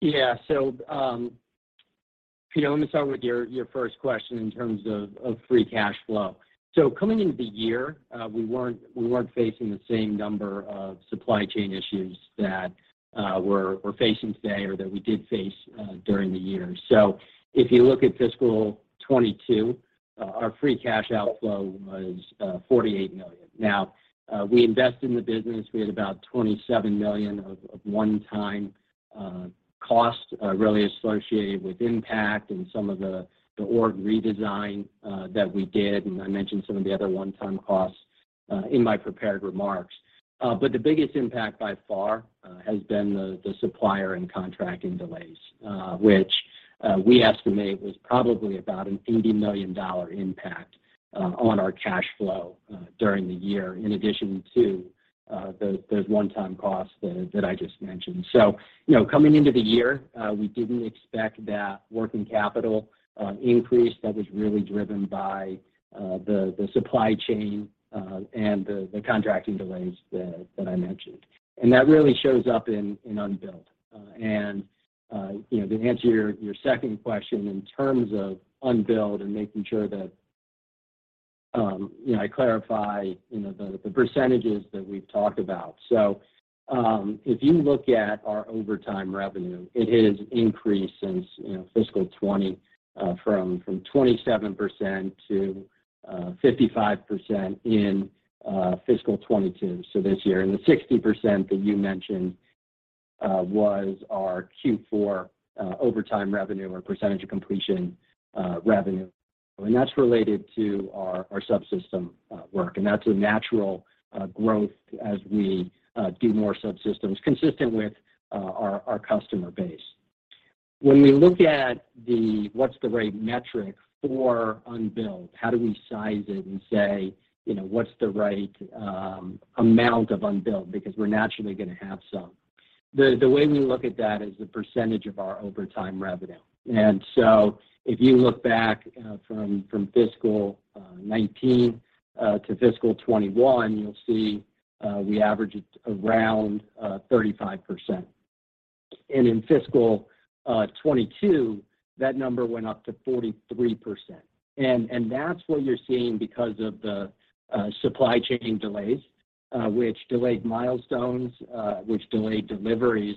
Yeah, Peter, let me start with your first question in terms of free cash flow. Coming into the year, we weren't facing the same number of supply chain issues that we're facing today or that we did face during the year. If you look at fiscal 2022, our free cash outflow was $48 million. Now, we invest in the business. We had about $27 million of one-time cost really associated with Impact and some of the org redesign that we did. I mentioned some of the other one-time costs in my prepared remarks. The biggest impact by far has been the supplier and contracting delays, which we estimate was probably about a $80 million impact on our cash flow during the year, in addition to those one-time costs that I just mentioned. You know, coming into the year, we didn't expect that working capital increase that was really driven by the supply chain and the contracting delays that I mentioned. That really shows up in unbilled. You know, to answer your second question in terms of unbilled and making sure that you know, I clarify the percentages that we've talked about. If you look at our overhead revenue, it has increased since, you know, fiscal 2020, from 27% to 55% in fiscal 2022, so this year. The 60% that you mentioned was our Q4 overhead revenue or percentage of completion revenue. That's related to our subsystem work. That's a natural growth as we do more subsystems consistent with our customer base. When we look at what's the right metric for unbilled, how do we size it and say, you know, what's the right amount of unbilled, because we're naturally gonna have some. The way we look at that is the percentage of our overhead revenue. If you look back from fiscal 2019 to fiscal 2021, you'll see we averaged around 35%. In fiscal 2022, that number went up to 43%. That's what you're seeing because of the supply chain delays, which delayed milestones, which delayed deliveries.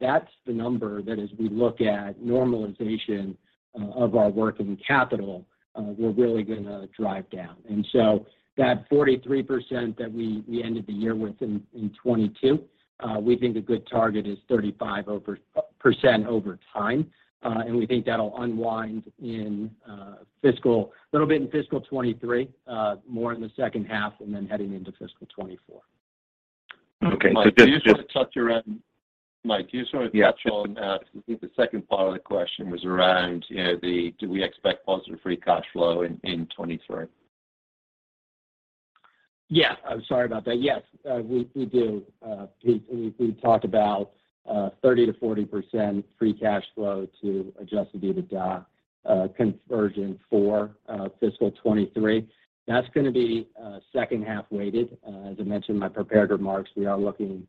That's the number that as we look at normalization of our working capital, we're really gonna drive down. That 43% that we ended the year with in 2022, we think a good target is 35% over time. We think that'll unwind a little bit in fiscal 2023, more in the H2 and then heading into fiscal 2024. Okay, just. Mike, do you just wanna touch on, I think the second part of the question was around, you know, the do we expect positive free cash flow in 2023? Yeah. I'm sorry about that. Yes, we do. Pete, we talked about 30%-40% free cash flow to adjusted EBITDA conversion for fiscal 2023. That's gonna be H2 weighted. As I mentioned in my prepared remarks, we are looking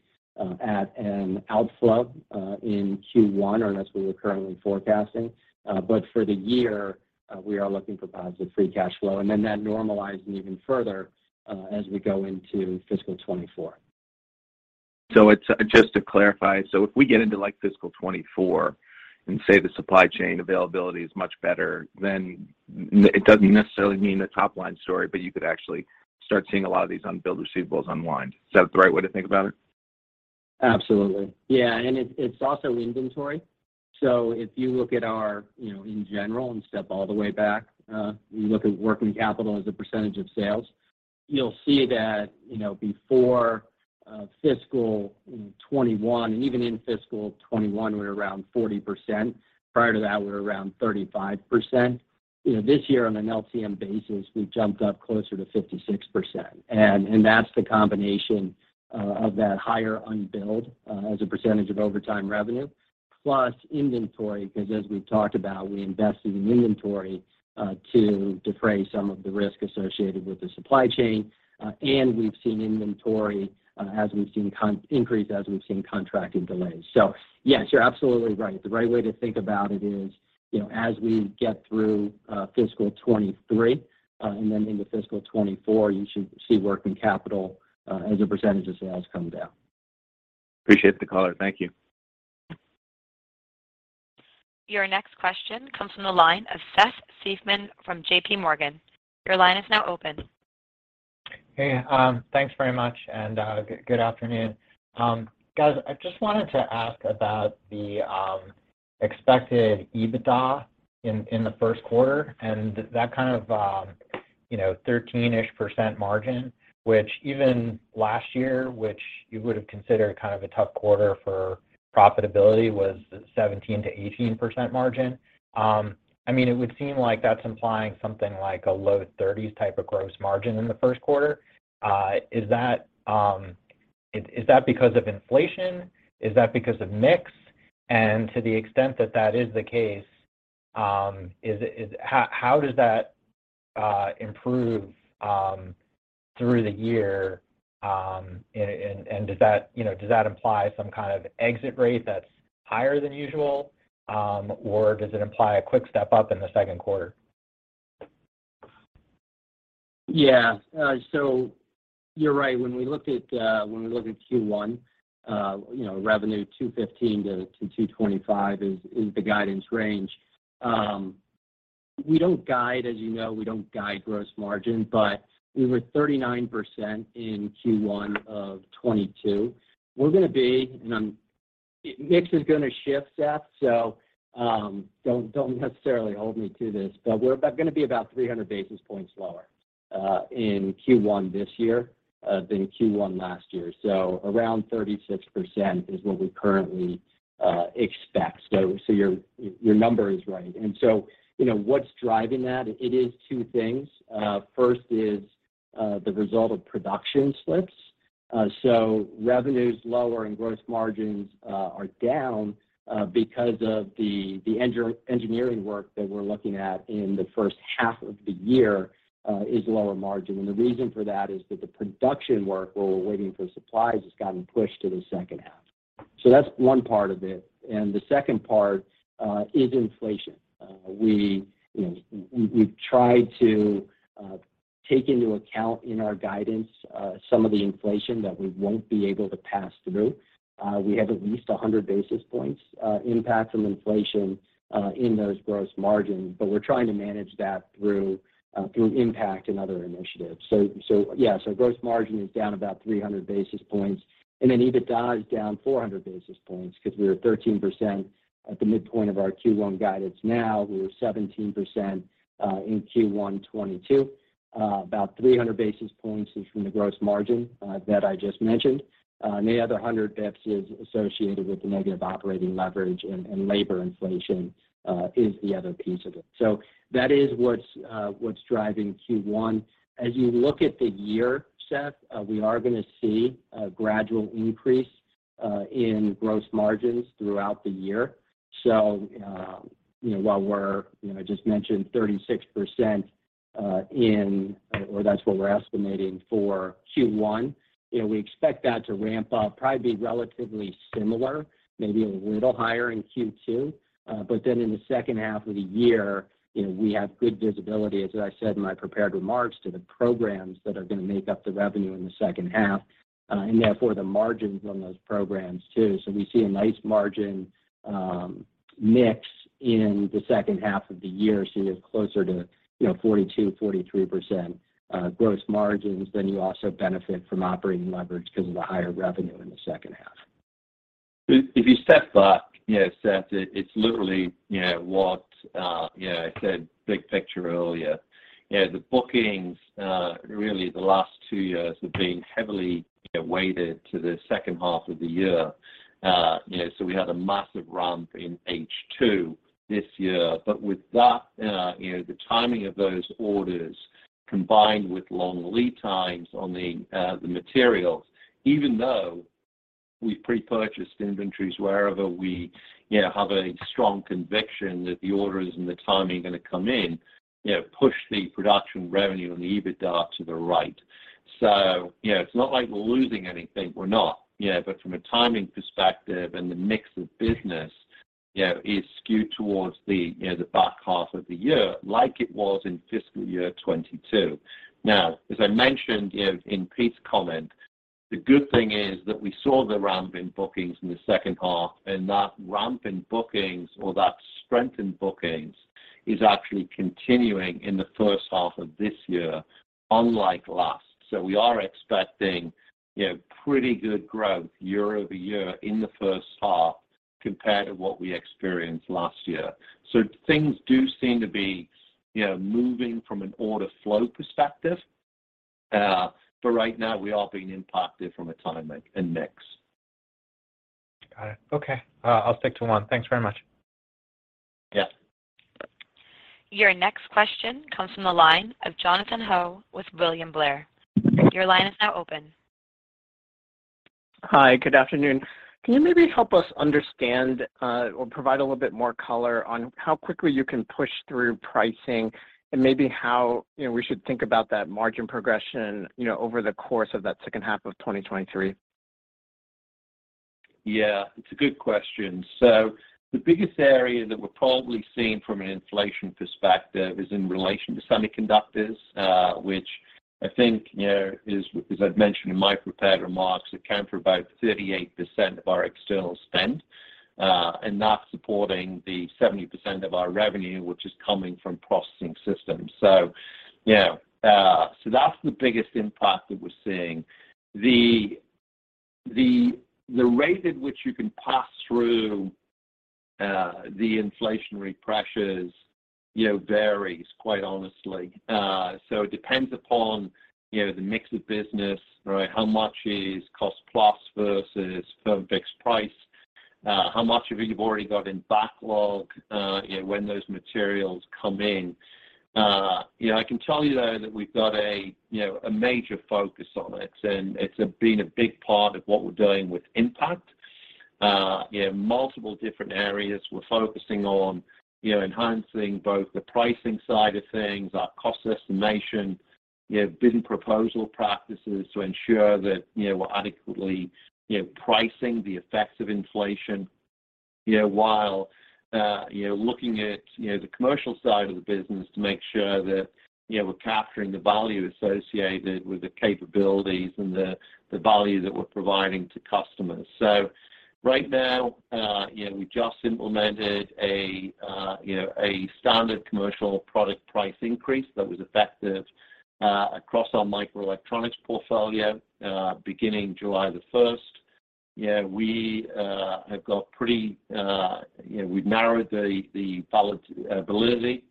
at an outflow in Q1, or that's what we're currently forecasting. For the year, we are looking for positive free cash flow. That normalizing even further as we go into fiscal 2024. It's, just to clarify, so if we get into like fiscal 2024 and say the supply chain availability is much better, then it doesn't necessarily mean the top-line story, but you could actually start seeing a lot of these unbilled receivables unwind. Is that the right way to think about it? Absolutely. Yeah. It's also inventory. If you look at our, you know, in general and step all the way back, you look at working capital as a percentage of sales, you'll see that, you know, before fiscal 2021 and even in fiscal 2021, we're around 40%. Prior to that, we're around 35%. You know, this year on an LTM basis, we've jumped up closer to 56%. That's the combination of that higher unbilled as a percentage of overall revenue plus inventory, 'cause as we've talked about, we invested in inventory to defray some of the risk associated with the supply chain. We've seen inventory increase as we've seen contracting delays. Yes, you're absolutely right. The right way to think about it is, you know, as we get through fiscal 2023 and then into fiscal 2024, you should see working capital as a percentage of sales come down. Appreciate the color. Thank you. Your next question comes from the line of Seth Seifman from JPMorgan. Your line is now open. Hey, thanks very much and, good afternoon. Guys, I just wanted to ask about the expected EBITDA in the first quarter and that kind of, you know, 13%-ish margin, which even last year you would've considered kind of a tough quarter for profitability, was 17%-18% margin. I mean, it would seem like that's implying something like a low 30s-type of gross margin in the first quarter. Is that because of inflation? Is that because of mix? And to the extent that that is the case, how does that improve through the year? And does that, you know, does that imply some kind of exit rate that's higher than usual? Or does it imply a quick step-up in the second quarter? Yeah. You're right. When we look at Q1, you know, revenue $215 million-$225 million is the guidance range. We don't guide, as you know, we don't guide gross margin, but we were 39% in Q1 of 2022. Mix is gonna shift, Seth, so don't necessarily hold me to this, but we're gonna be about 300 basis points lower in Q1 this year than Q1 last year. Around 36% is what we currently expect. Your number is right. You know, what's driving that? It is two things. First is the result of production slips. Revenues lower and gross margins are down because of the engineering work that we're looking at in the H1 of the year is lower margin. The reason for that is that the production work where we're waiting for supplies has gotten pushed to the H2. That's one part of it. The second part is inflation. We, you know, we've tried to take into account in our guidance some of the inflation that we won't be able to pass through. We have at least 100 basis points impact from inflation in those gross margins, but we're trying to manage that through Impact and other initiatives. Yeah. Gross margin is down about 300 basis points, and then EBITDA is down 400 basis points 'cause we were 13% at the midpoint of our Q1 guidance. Now we were 17% in Q1 2022. About 300 basis points is from the gross margin that I just mentioned. And the other 100 basis points is associated with the negative operating leverage and labor inflation is the other piece of it. That is what's driving Q1. As you look at the year, Seth, we are gonna see a gradual increase in gross margins throughout the year. You know, while we're, you know, I just mentioned 36%, or that's what we're estimating for Q1, you know, we expect that to ramp up, probably be relatively similar, maybe a little higher in Q2. In the H2 of the year, you know, we have good visibility, as I said in my prepared remarks, to the programs that are gonna make up the revenue in the H2, and therefore the margins on those programs too. We see a nice margin mix in the H2 of the year. You're closer to, you know, 42%-43% gross margins. You also benefit from operating leverage 'cause of the higher revenue in the H2. If you step back, you know, Seth, it's literally, you know, what I said big picture earlier. You know, the bookings really the last two years have been heavily weighted to the H2 of the year. You know, we had a massive ramp in H2 this year. But with that, you know, the timing of those orders combined with long lead times on the materials, even though we've pre-purchased inventories wherever we, you know, have a strong conviction that the orders and the timing are gonna come in, you know, push the production revenue and the EBITDA to the right. You know, it's not like we're losing anything. We're not. You know, from a timing perspective and the mix of business. You know, is skewed towards the, you know, the back half of the year like it was in fiscal year 2022. Now, as I mentioned in Pete's comment, the good thing is that we saw the ramp in bookings in the H2, and that ramp in bookings or that strength in bookings is actually continuing in the H1 of this year, unlike last. We are expecting, you know, pretty good growth year-over-year in the H1 compared to what we experienced last year. Things do seem to be, you know, moving from an order flow perspective. But right now, we are being impacted from a timing and mix. Got it. Okay. I'll stick to one. Thanks very much. Yeah. Your next question comes from the line of Jonathan Ho with William Blair. Your line is now open. Hi, good afternoon. Can you maybe help us understand, or provide a little bit more color on how quickly you can push through pricing and maybe how, you know, we should think about that margin progression, you know, over the course of that H2 of 2023? Yeah, it's a good question. The biggest area that we're probably seeing from an inflation perspective is in relation to semiconductors, which I think, you know, is, as I've mentioned in my prepared remarks, account for about 38% of our external spend, and that's supporting the 70% of our revenue, which is coming from processing systems. You know, that's the biggest impact that we're seeing. The rate at which you can pass through the inflationary pressures, you know, varies, quite honestly. It depends upon, you know, the mix of business, right? How much is cost plus versus firm fixed price, how much you've already got in backlog, you know, when those materials come in. You know, I can tell you, though, that we've got a, you know, a major focus on it, and it's been a big part of what we're doing with Impact. You know, multiple different areas we're focusing on, you know, enhancing both the pricing side of things, our cost estimation, you know, business proposal practices to ensure that, you know, we're adequately, you know, pricing the effects of inflation. You know, while, you know, looking at, you know, the commercial side of the business to make sure that, you know, we're capturing the value associated with the capabilities and the value that we're providing to customers. Right now, you know, we just implemented a, you know, a standard commercial product price increase that was effective, across our microelectronics portfolio, beginning July the first. You know, we've narrowed the validity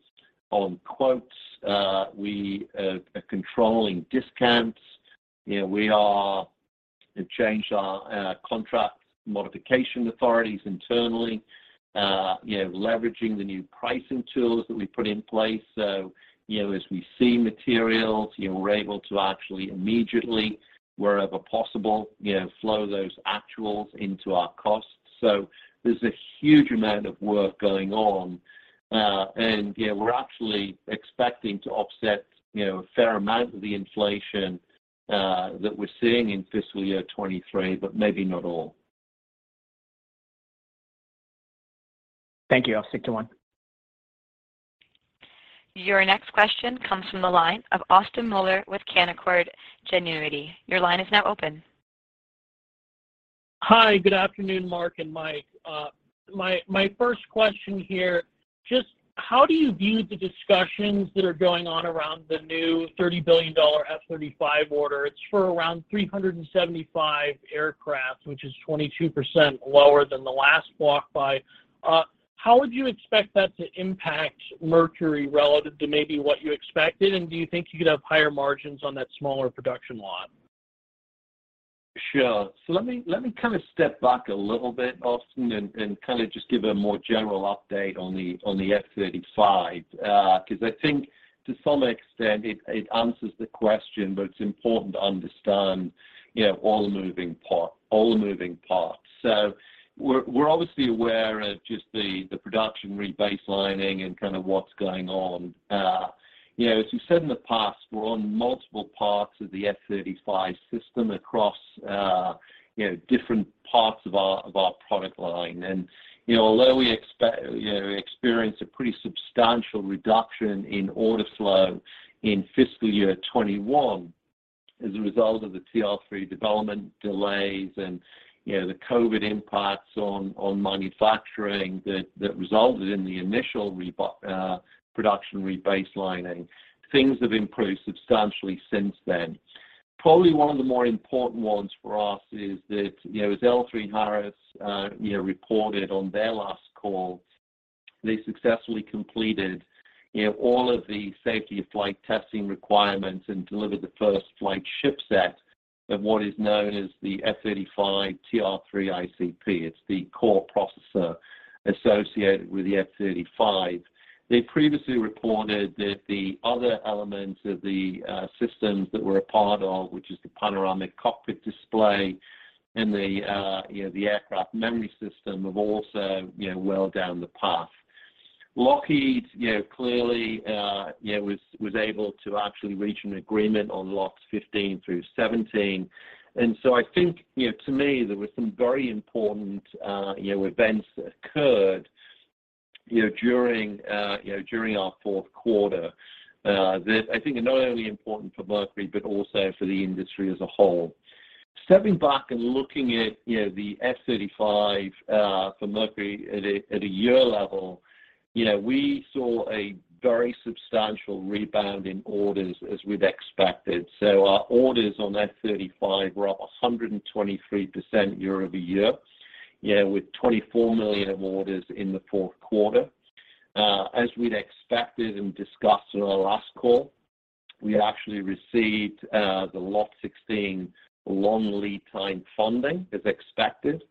on quotes. We are controlling discounts. You know, we have changed our contract modification authorities internally, you know, leveraging the new pricing tools that we put in place. You know, as we see materials, you know, we're able to actually immediately, wherever possible, you know, flow those actuals into our costs. There's a huge amount of work going on. Yeah, we're actually expecting to offset, you know, a fair amount of the inflation that we're seeing in fiscal year 2023, but maybe not all. Thank you. I'll stick to one. Your next question comes from the line of Austin Moeller with Canaccord Genuity. Your line is now open. Hi, good afternoon, Mark and Mike. My first question here, just how do you view the discussions that are going on around the new $30 billion F-35 order? It's for around 375 aircraft, which is 22% lower than the last block buy. How would you expect that to impact Mercury relative to maybe what you expected? Do you think you could have higher margins on that smaller production lot? Sure. Let me kind of step back a little bit, Austin, and kind of just give a more general update on the F-35s, 'cause I think to some extent it answers the question, but it's important to understand, you know, all the moving parts. We're obviously aware of just the production rebaselining and kind of what's going on. You know, as we've said in the past, we're on multiple parts of the F-35 system across, you know, different parts of our product line. You know, although we experienced a pretty substantial reduction in order flow in fiscal year 21 as a result of the TR3 development delays and, you know, the COVID impacts on manufacturing that resulted in the initial production rebaselining, things have improved substantially since then. Probably one of the more important ones for us is that, you know, as L3Harris reported on their last call, they successfully completed, you know, all of the safety of flight testing requirements and delivered the first flight ship set of what is known as the F-35 TR-3 ICP. It's the core processor associated with the F-35. They previously reported that the other elements of the systems that we're a part of, which is the panoramic cockpit display and the, you know, the aircraft memory system are also, you know, well down the path. Lockheed, you know, clearly, you know, was able to actually reach an agreement on Lots 15 through 17. I think, you know, to me there were some very important, you know, events that occurred, you know, during, you know, during our fourth quarter, that I think are not only important for Mercury, but also for the industry as a whole. Stepping back and looking at, you know, the F-35 for Mercury at a year level. You know, we saw a very substantial rebound in orders as we've expected. Our orders on F-35 were up 123% year-over-year. You know, with $24 million of orders in the fourth quarter. As we'd expected and discussed in our last call, we actually received the Lot 16 long lead time funding as expected,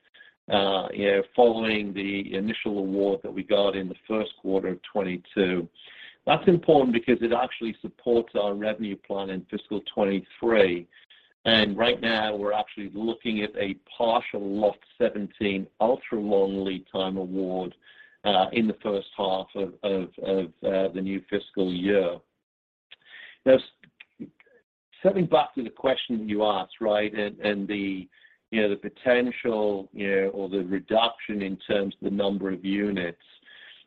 you know, following the initial award that we got in the first quarter of 2022. That's important because it actually supports our revenue plan in fiscal 2023. Right now we're actually looking at a partial Lot 17 ultra-long lead time award in the H1 of the new fiscal year. Now stepping back to the question you asked, right, and the, you know, the potential, you know, or the reduction in terms of the number of units.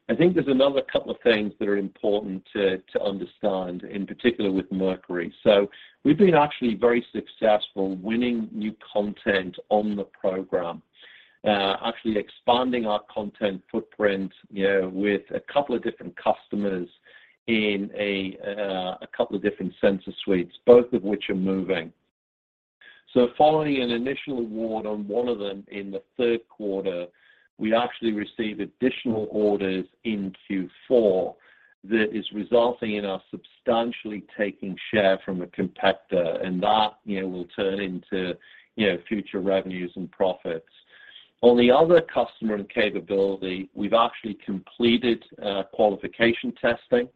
I think there's another couple of things that are important to understand, in particular with Mercury. We've been actually very successful winning new content on the program, actually expanding our content footprint, you know, with a couple of different customers in a couple of different sensor suites, both of which are moving. Following an initial award on one of them in the third quarter, we actually received additional orders in Q4 that is resulting in us substantially taking share from a competitor, and that, you know, will turn into, you know, future revenues and profits. On the other customer and capability, we've actually completed qualification testing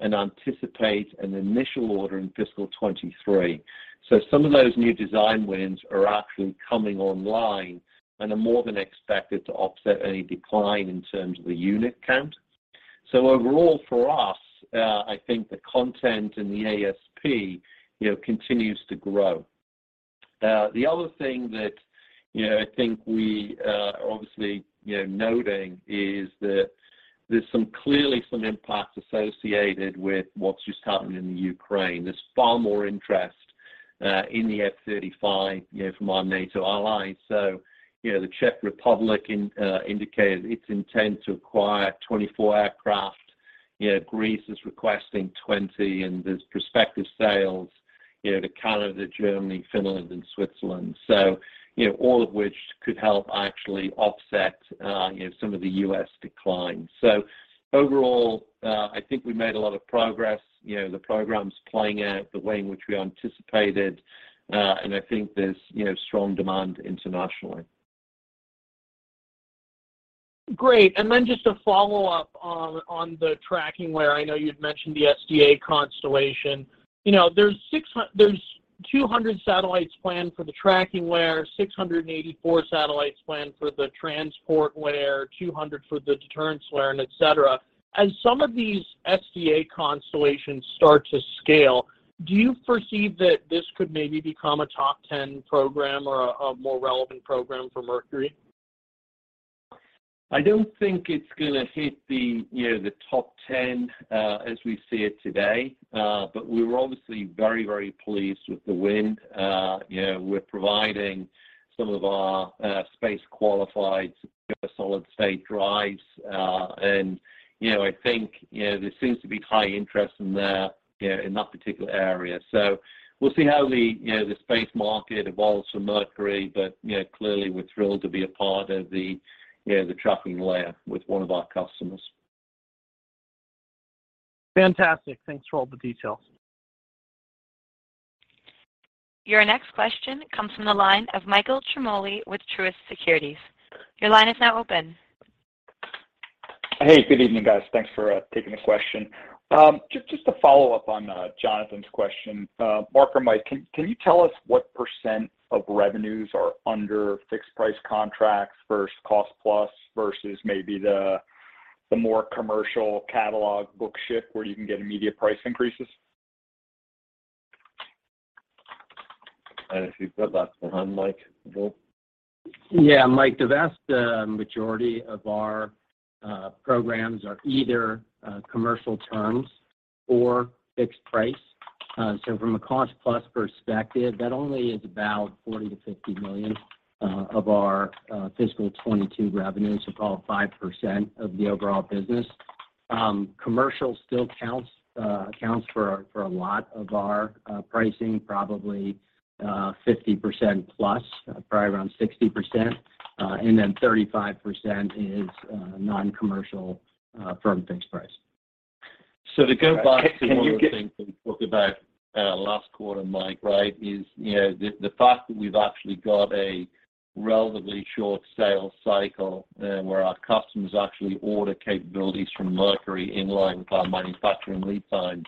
and anticipate an initial order in fiscal 2023. Some of those new design wins are actually coming online and are more than expected to offset any decline in terms of the unit count. Overall for us, I think the content and the ASP, you know, continues to grow. The other thing that, you know, I think we are obviously, you know, noting is that there's some clear impact associated with what's just happened in the Ukraine. There's far more interest in the F-35, you know, from our NATO allies. The Czech Republic indicated its intent to acquire 24 aircraft. You know, Greece is requesting 20, and there's prospective sales, you know, to Canada, Germany, Finland and Switzerland. All of which could help actually offset some of the U.S. decline. Overall, I think we made a lot of progress. You know, the program's playing out the way in which we anticipated, and I think there's strong demand internationally. Great. Then just a follow-up on the tracking, where I know you'd mentioned the SDA constellation. You know, there's 200 satellites planned for the tracking layer, 684 satellites planned for the transport layer, 200 for the deterrence layer, and et cetera. As some of these SDA constellations start to scale, do you foresee that this could maybe become a top ten program or a more relevant program for Mercury? I don't think it's gonna hit the, you know, the top ten as we see it today. We're obviously very, very pleased with the win. You know, we're providing some of our space-qualified solid-state drives. You know, I think there seems to be high interest in that particular area. We'll see how the space market evolves for Mercury, but you know, clearly we're thrilled to be a part of the tracking layer with one of our customers. Fantastic. Thanks for all the details. Your next question comes from the line of Michael Ciarmoli with Truist Securities. Your line is now open. Hey, good evening, guys. Thanks for taking the question. Just to follow up on Jonathan's question. Mark or Mike, can you tell us what % of revenues are under fixed price contracts versus cost plus versus maybe the more commercial catalog book ship where you can get immediate price increases? If you've got that one, Mike as well. Yeah, Mike, the vast majority of our programs are either commercial terms or fixed price. From a cost plus perspective, that only is about $40 million-$50 million of our fiscal 2022 revenues, so call it 5% of the overall business. Commercial still accounts for a lot of our pricing, probably 50% plus, probably around 60%. Then 35% is non-commercial firm fixed price. To go back to one of the things we talked about last quarter, Mike, right, is, you know, the fact that we've actually got a relatively short sales cycle, where our customers actually order capabilities from Mercury in line with our manufacturing lead times.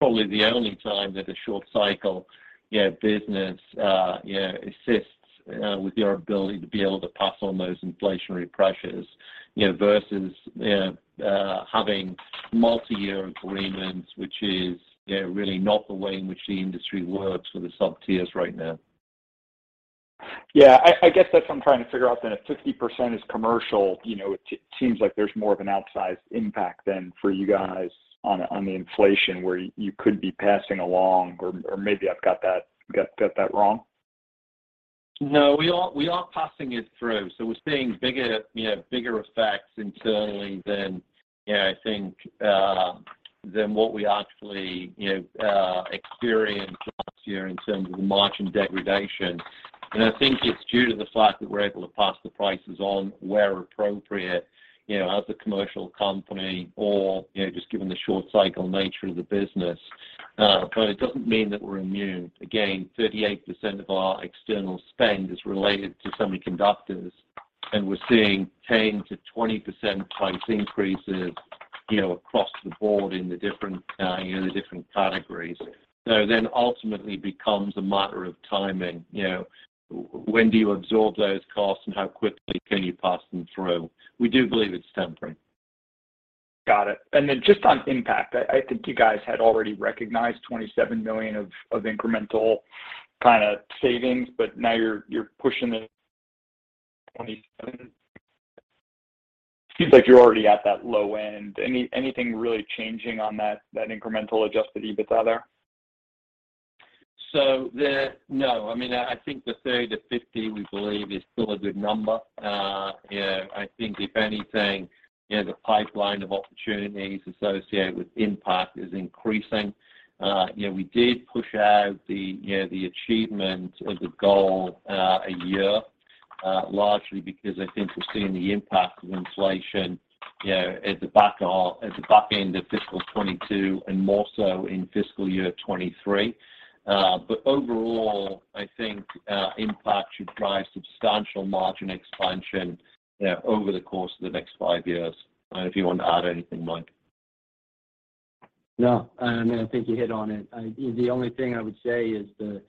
Probably the only time that a short cycle business assists with your ability to be able to pass on those inflationary pressures, you know, versus having multiyear agreements, which is really not the way in which the industry works for the sub-tiers right now. Yeah. I guess that's what I'm trying to figure out then. If 50% is commercial, you know, it seems like there's more of an outsized impact than for you guys on the inflation where you could be passing along or maybe I've got that wrong. No, we are passing it through. We're seeing bigger, you know, bigger effects internally than, I think, than what we actually, you know, experienced last year in terms of the margin degradation. I think it's due to the fact that we're able to pass the prices on where appropriate, you know, as a commercial company or, you know, just given the short cycle nature of the business. But it doesn't mean that we're immune. Again, 38% of our external spend is related to semiconductors, and we're seeing 10%-20% price increases, you know, across the board in the different, you know, the different categories. Ultimately becomes a matter of timing. You know, when do you absorb those costs and how quickly can you pass them through? We do believe it's temporary. Got it. Just on Impact, I think you guys had already recognized $27 million of incremental kind of savings, but now you're pushing the $27 million. Seems like you're already at that low end. Anything really changing on that incremental adjusted EBITDA there? I mean, I think the 30-50, we believe is still a good number. Yeah, I think if anything, you know, the pipeline of opportunities associated with Impact is increasing. You know, we did push out the, you know, the achievement of the goal, a year, largely because I think we're seeing the impact of inflation, you know, at the back end of fiscal 2022 and more so in fiscal year 2023. Overall, I think, Impact should drive substantial margin expansion, you know, over the course of the next five years. If you want to add anything, Mike. No. I mean, I think you hit on it. You know, the only thing I would say is the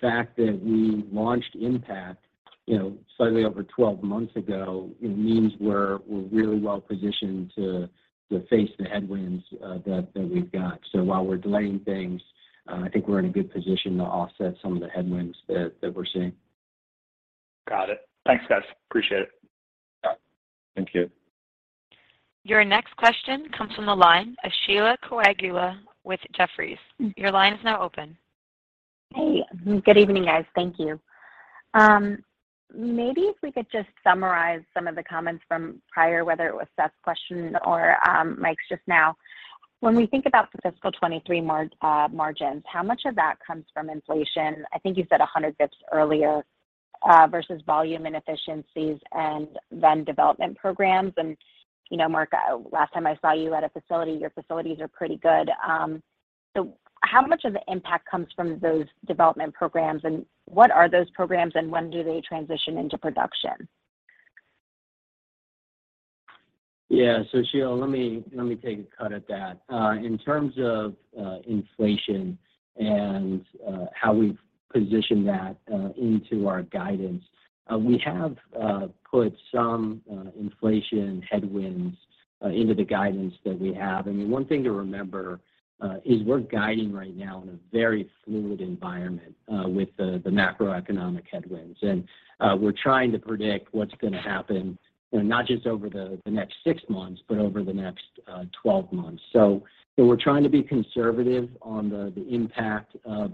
fact that we launched Impact, you know, slightly over 12 months ago, it means we're really well positioned to face the headwinds that we've got. So while we're delaying things, I think we're in a good position to offset some of the headwinds that we're seeing. Got it. Thanks, guys. Appreciate it. Yeah. Thank you. Your next question comes from the line of Sheila Kahyaoglu with Jefferies. Your line is now open. Hey. Good evening, guys. Thank you. Maybe if we could just summarize some of the comments from prior, whether it was Seth's question or Mike's just now. When we think about the fiscal 2023 margins, how much of that comes from inflation, I think you said 100 basis points earlier, versus volume and efficiencies and then development programs? You know, Mark, last time I saw you at a facility, your facilities are pretty good. So how much of the impact comes from those development programs, and what are those programs, and when do they transition into production? Yeah. Sheila, let me take a cut at that. In terms of inflation and how we've positioned that into our guidance, we have put some inflation headwinds into the guidance that we have. I mean, one thing to remember is we're guiding right now in a very fluid environment with the macroeconomic headwinds. We're trying to predict what's gonna happen, you know, not just over the next six months, but over the next twelve months. We're trying to be conservative on the impact of,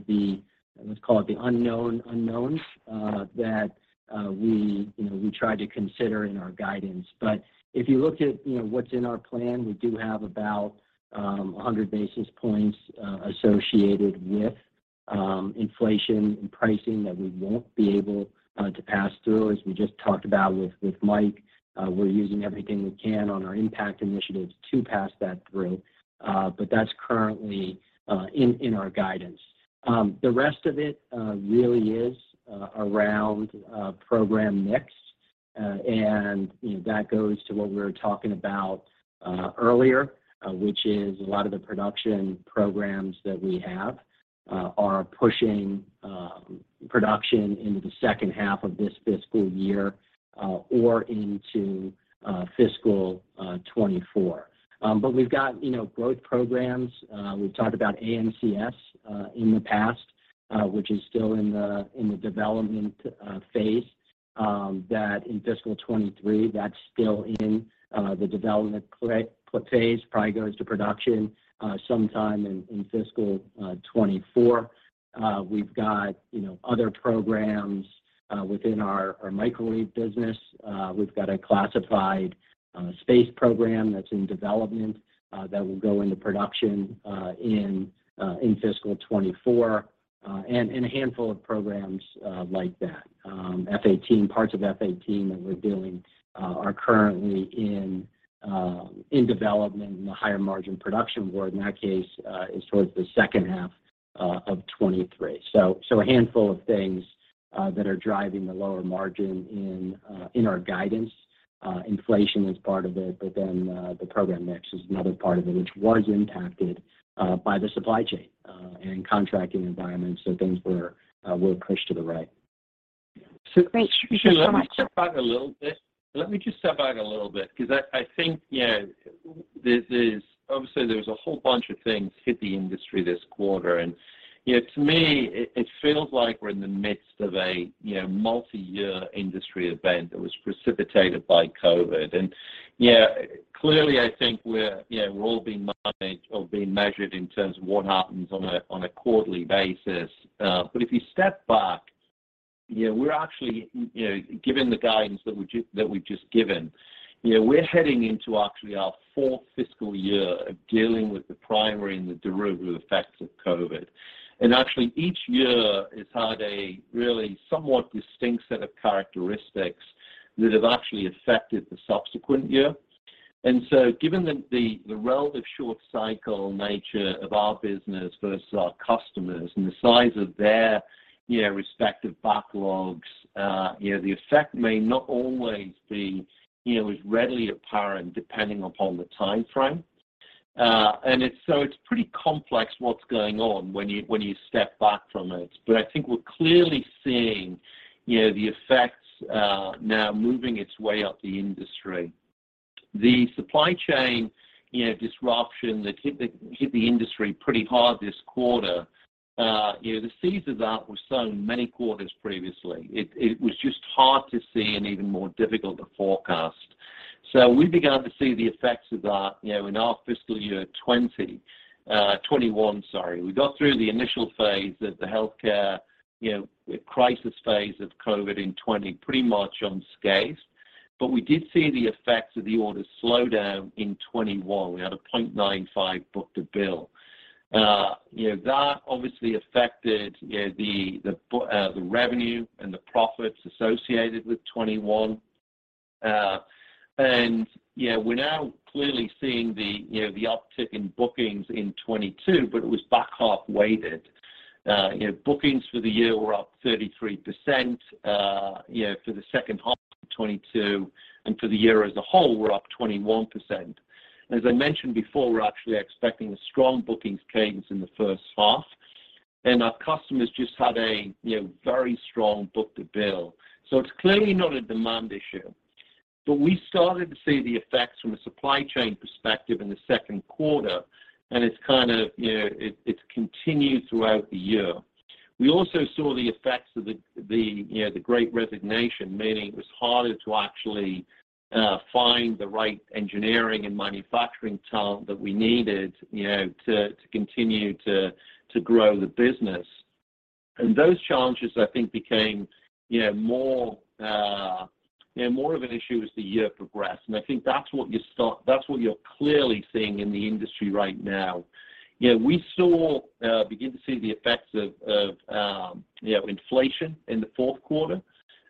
let's call it, the unknown unknowns that we, you know, we try to consider in our guidance. If you look at, you know, what's in our plan, we do have about 100 basis points associated with inflation and pricing that we won't be able to pass through, as we just talked about with Mike. We're using everything we can on our Impact initiatives to pass that through. That's currently in our guidance. The rest of it really is around program mix. You know, that goes to what we were talking about earlier, which is a lot of the production programs that we have are pushing production into the H2 of this fiscal year, or into fiscal 2024. We've got, you know, growth programs. We've talked about AMCS in the past, which is still in the development phase in fiscal 2023. Probably goes to production sometime in fiscal 2024. We've got, you know, other programs within our microwave business. We've got a classified space program that's in development that will go into production in fiscal 2024, and a handful of programs like that. F-18, parts of F-18 that we're building are currently in development in the higher margin production board. In that case, is towards the H2. Of 2023. A handful of things that are driving the lower margin in our guidance. Inflation is part of it, but then the program mix is another part of it, which was impacted by the supply chain and contracting environment. Things were pushed to the right. Great. Thank you so much. Let me just step back a little bit because I think, you know, there's obviously there's a whole bunch of things hit the industry this quarter. You know, to me, it feels like we're in the midst of a, you know, multi-year industry event that was precipitated by COVID. Yeah, clearly, I think we're all being managed or being measured in terms of what happens on a quarterly basis. If you step back, you know, we're actually, you know, given the guidance that we've just given, you know, we're heading into actually our fourth fiscal year of dealing with the primary and the derivative effects of COVID. Actually, each year has had a really somewhat distinct set of characteristics that have actually affected the subsequent year. Given the relative short cycle nature of our business versus our customers and the size of their, you know, respective backlogs, you know, the effect may not always be, you know, as readily apparent depending upon the time frame. It's pretty complex what's going on when you step back from it. I think we're clearly seeing, you know, the effects now moving its way up the industry. The supply chain, you know, disruption that hit the industry pretty hard this quarter, you know, the seeds of that were sown many quarters previously. It was just hard to see and even more difficult to forecast. We began to see the effects of that, you know, in our fiscal year 2020. 2021, sorry. We got through the initial phase of the healthcare crisis phase of COVID in 2020, pretty much unscathed. We did see the effects of the order slow down in 2021. We had a 0.95 book-to-bill. That obviously affected the revenue and the profits associated with 2021. We're now clearly seeing the uptick in bookings in 2022, but it was back half weighted. Bookings for the year were up 33%. For the H2 of 2022 and for the year as a whole, were up 21%. As I mentioned before, we're actually expecting a strong bookings cadence in the H1, and our customers just had a very strong book-to-bill. It's clearly not a demand issue. We started to see the effects from a supply chain perspective in the second quarter, and it's continued throughout the year. We also saw the effects of the great resignation, meaning it was harder to actually find the right engineering and manufacturing talent that we needed to continue to grow the business. Those challenges, I think, became more of an issue as the year progressed. I think that's what you're clearly seeing in the industry right now. We began to see the effects of inflation in the fourth quarter.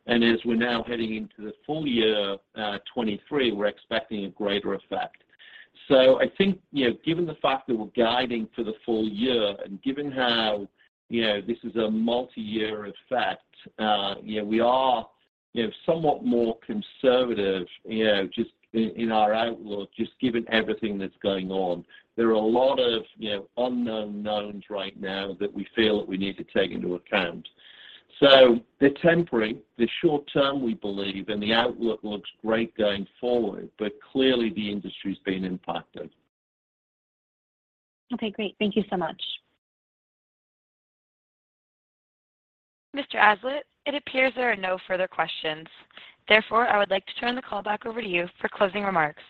As we're now heading into the full year 2023, we're expecting a greater effect. I think, you know, given the fact that we're guiding for the full year and given how, you know, this is a multi-year effect, you know, we are, you know, somewhat more conservative, you know, just in our outlook, just given everything that's going on. There are a lot of, you know, unknown knowns right now that we feel that we need to take into account. They're tempering. They're short term, we believe, and the outlook looks great going forward. Clearly the industry's been impacted. Okay, great. Thank you so much. Mr. Aslett, it appears there are no further questions. Therefore, I would like to turn the call back over to you for closing remarks.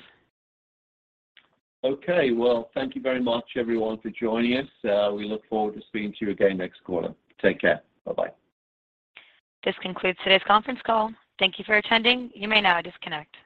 Okay. Well, thank you very much, everyone, for joining us. We look forward to speaking to you again next quarter. Take care. Bye-bye. This concludes today's conference call. Thank you for attending. You may now disconnect.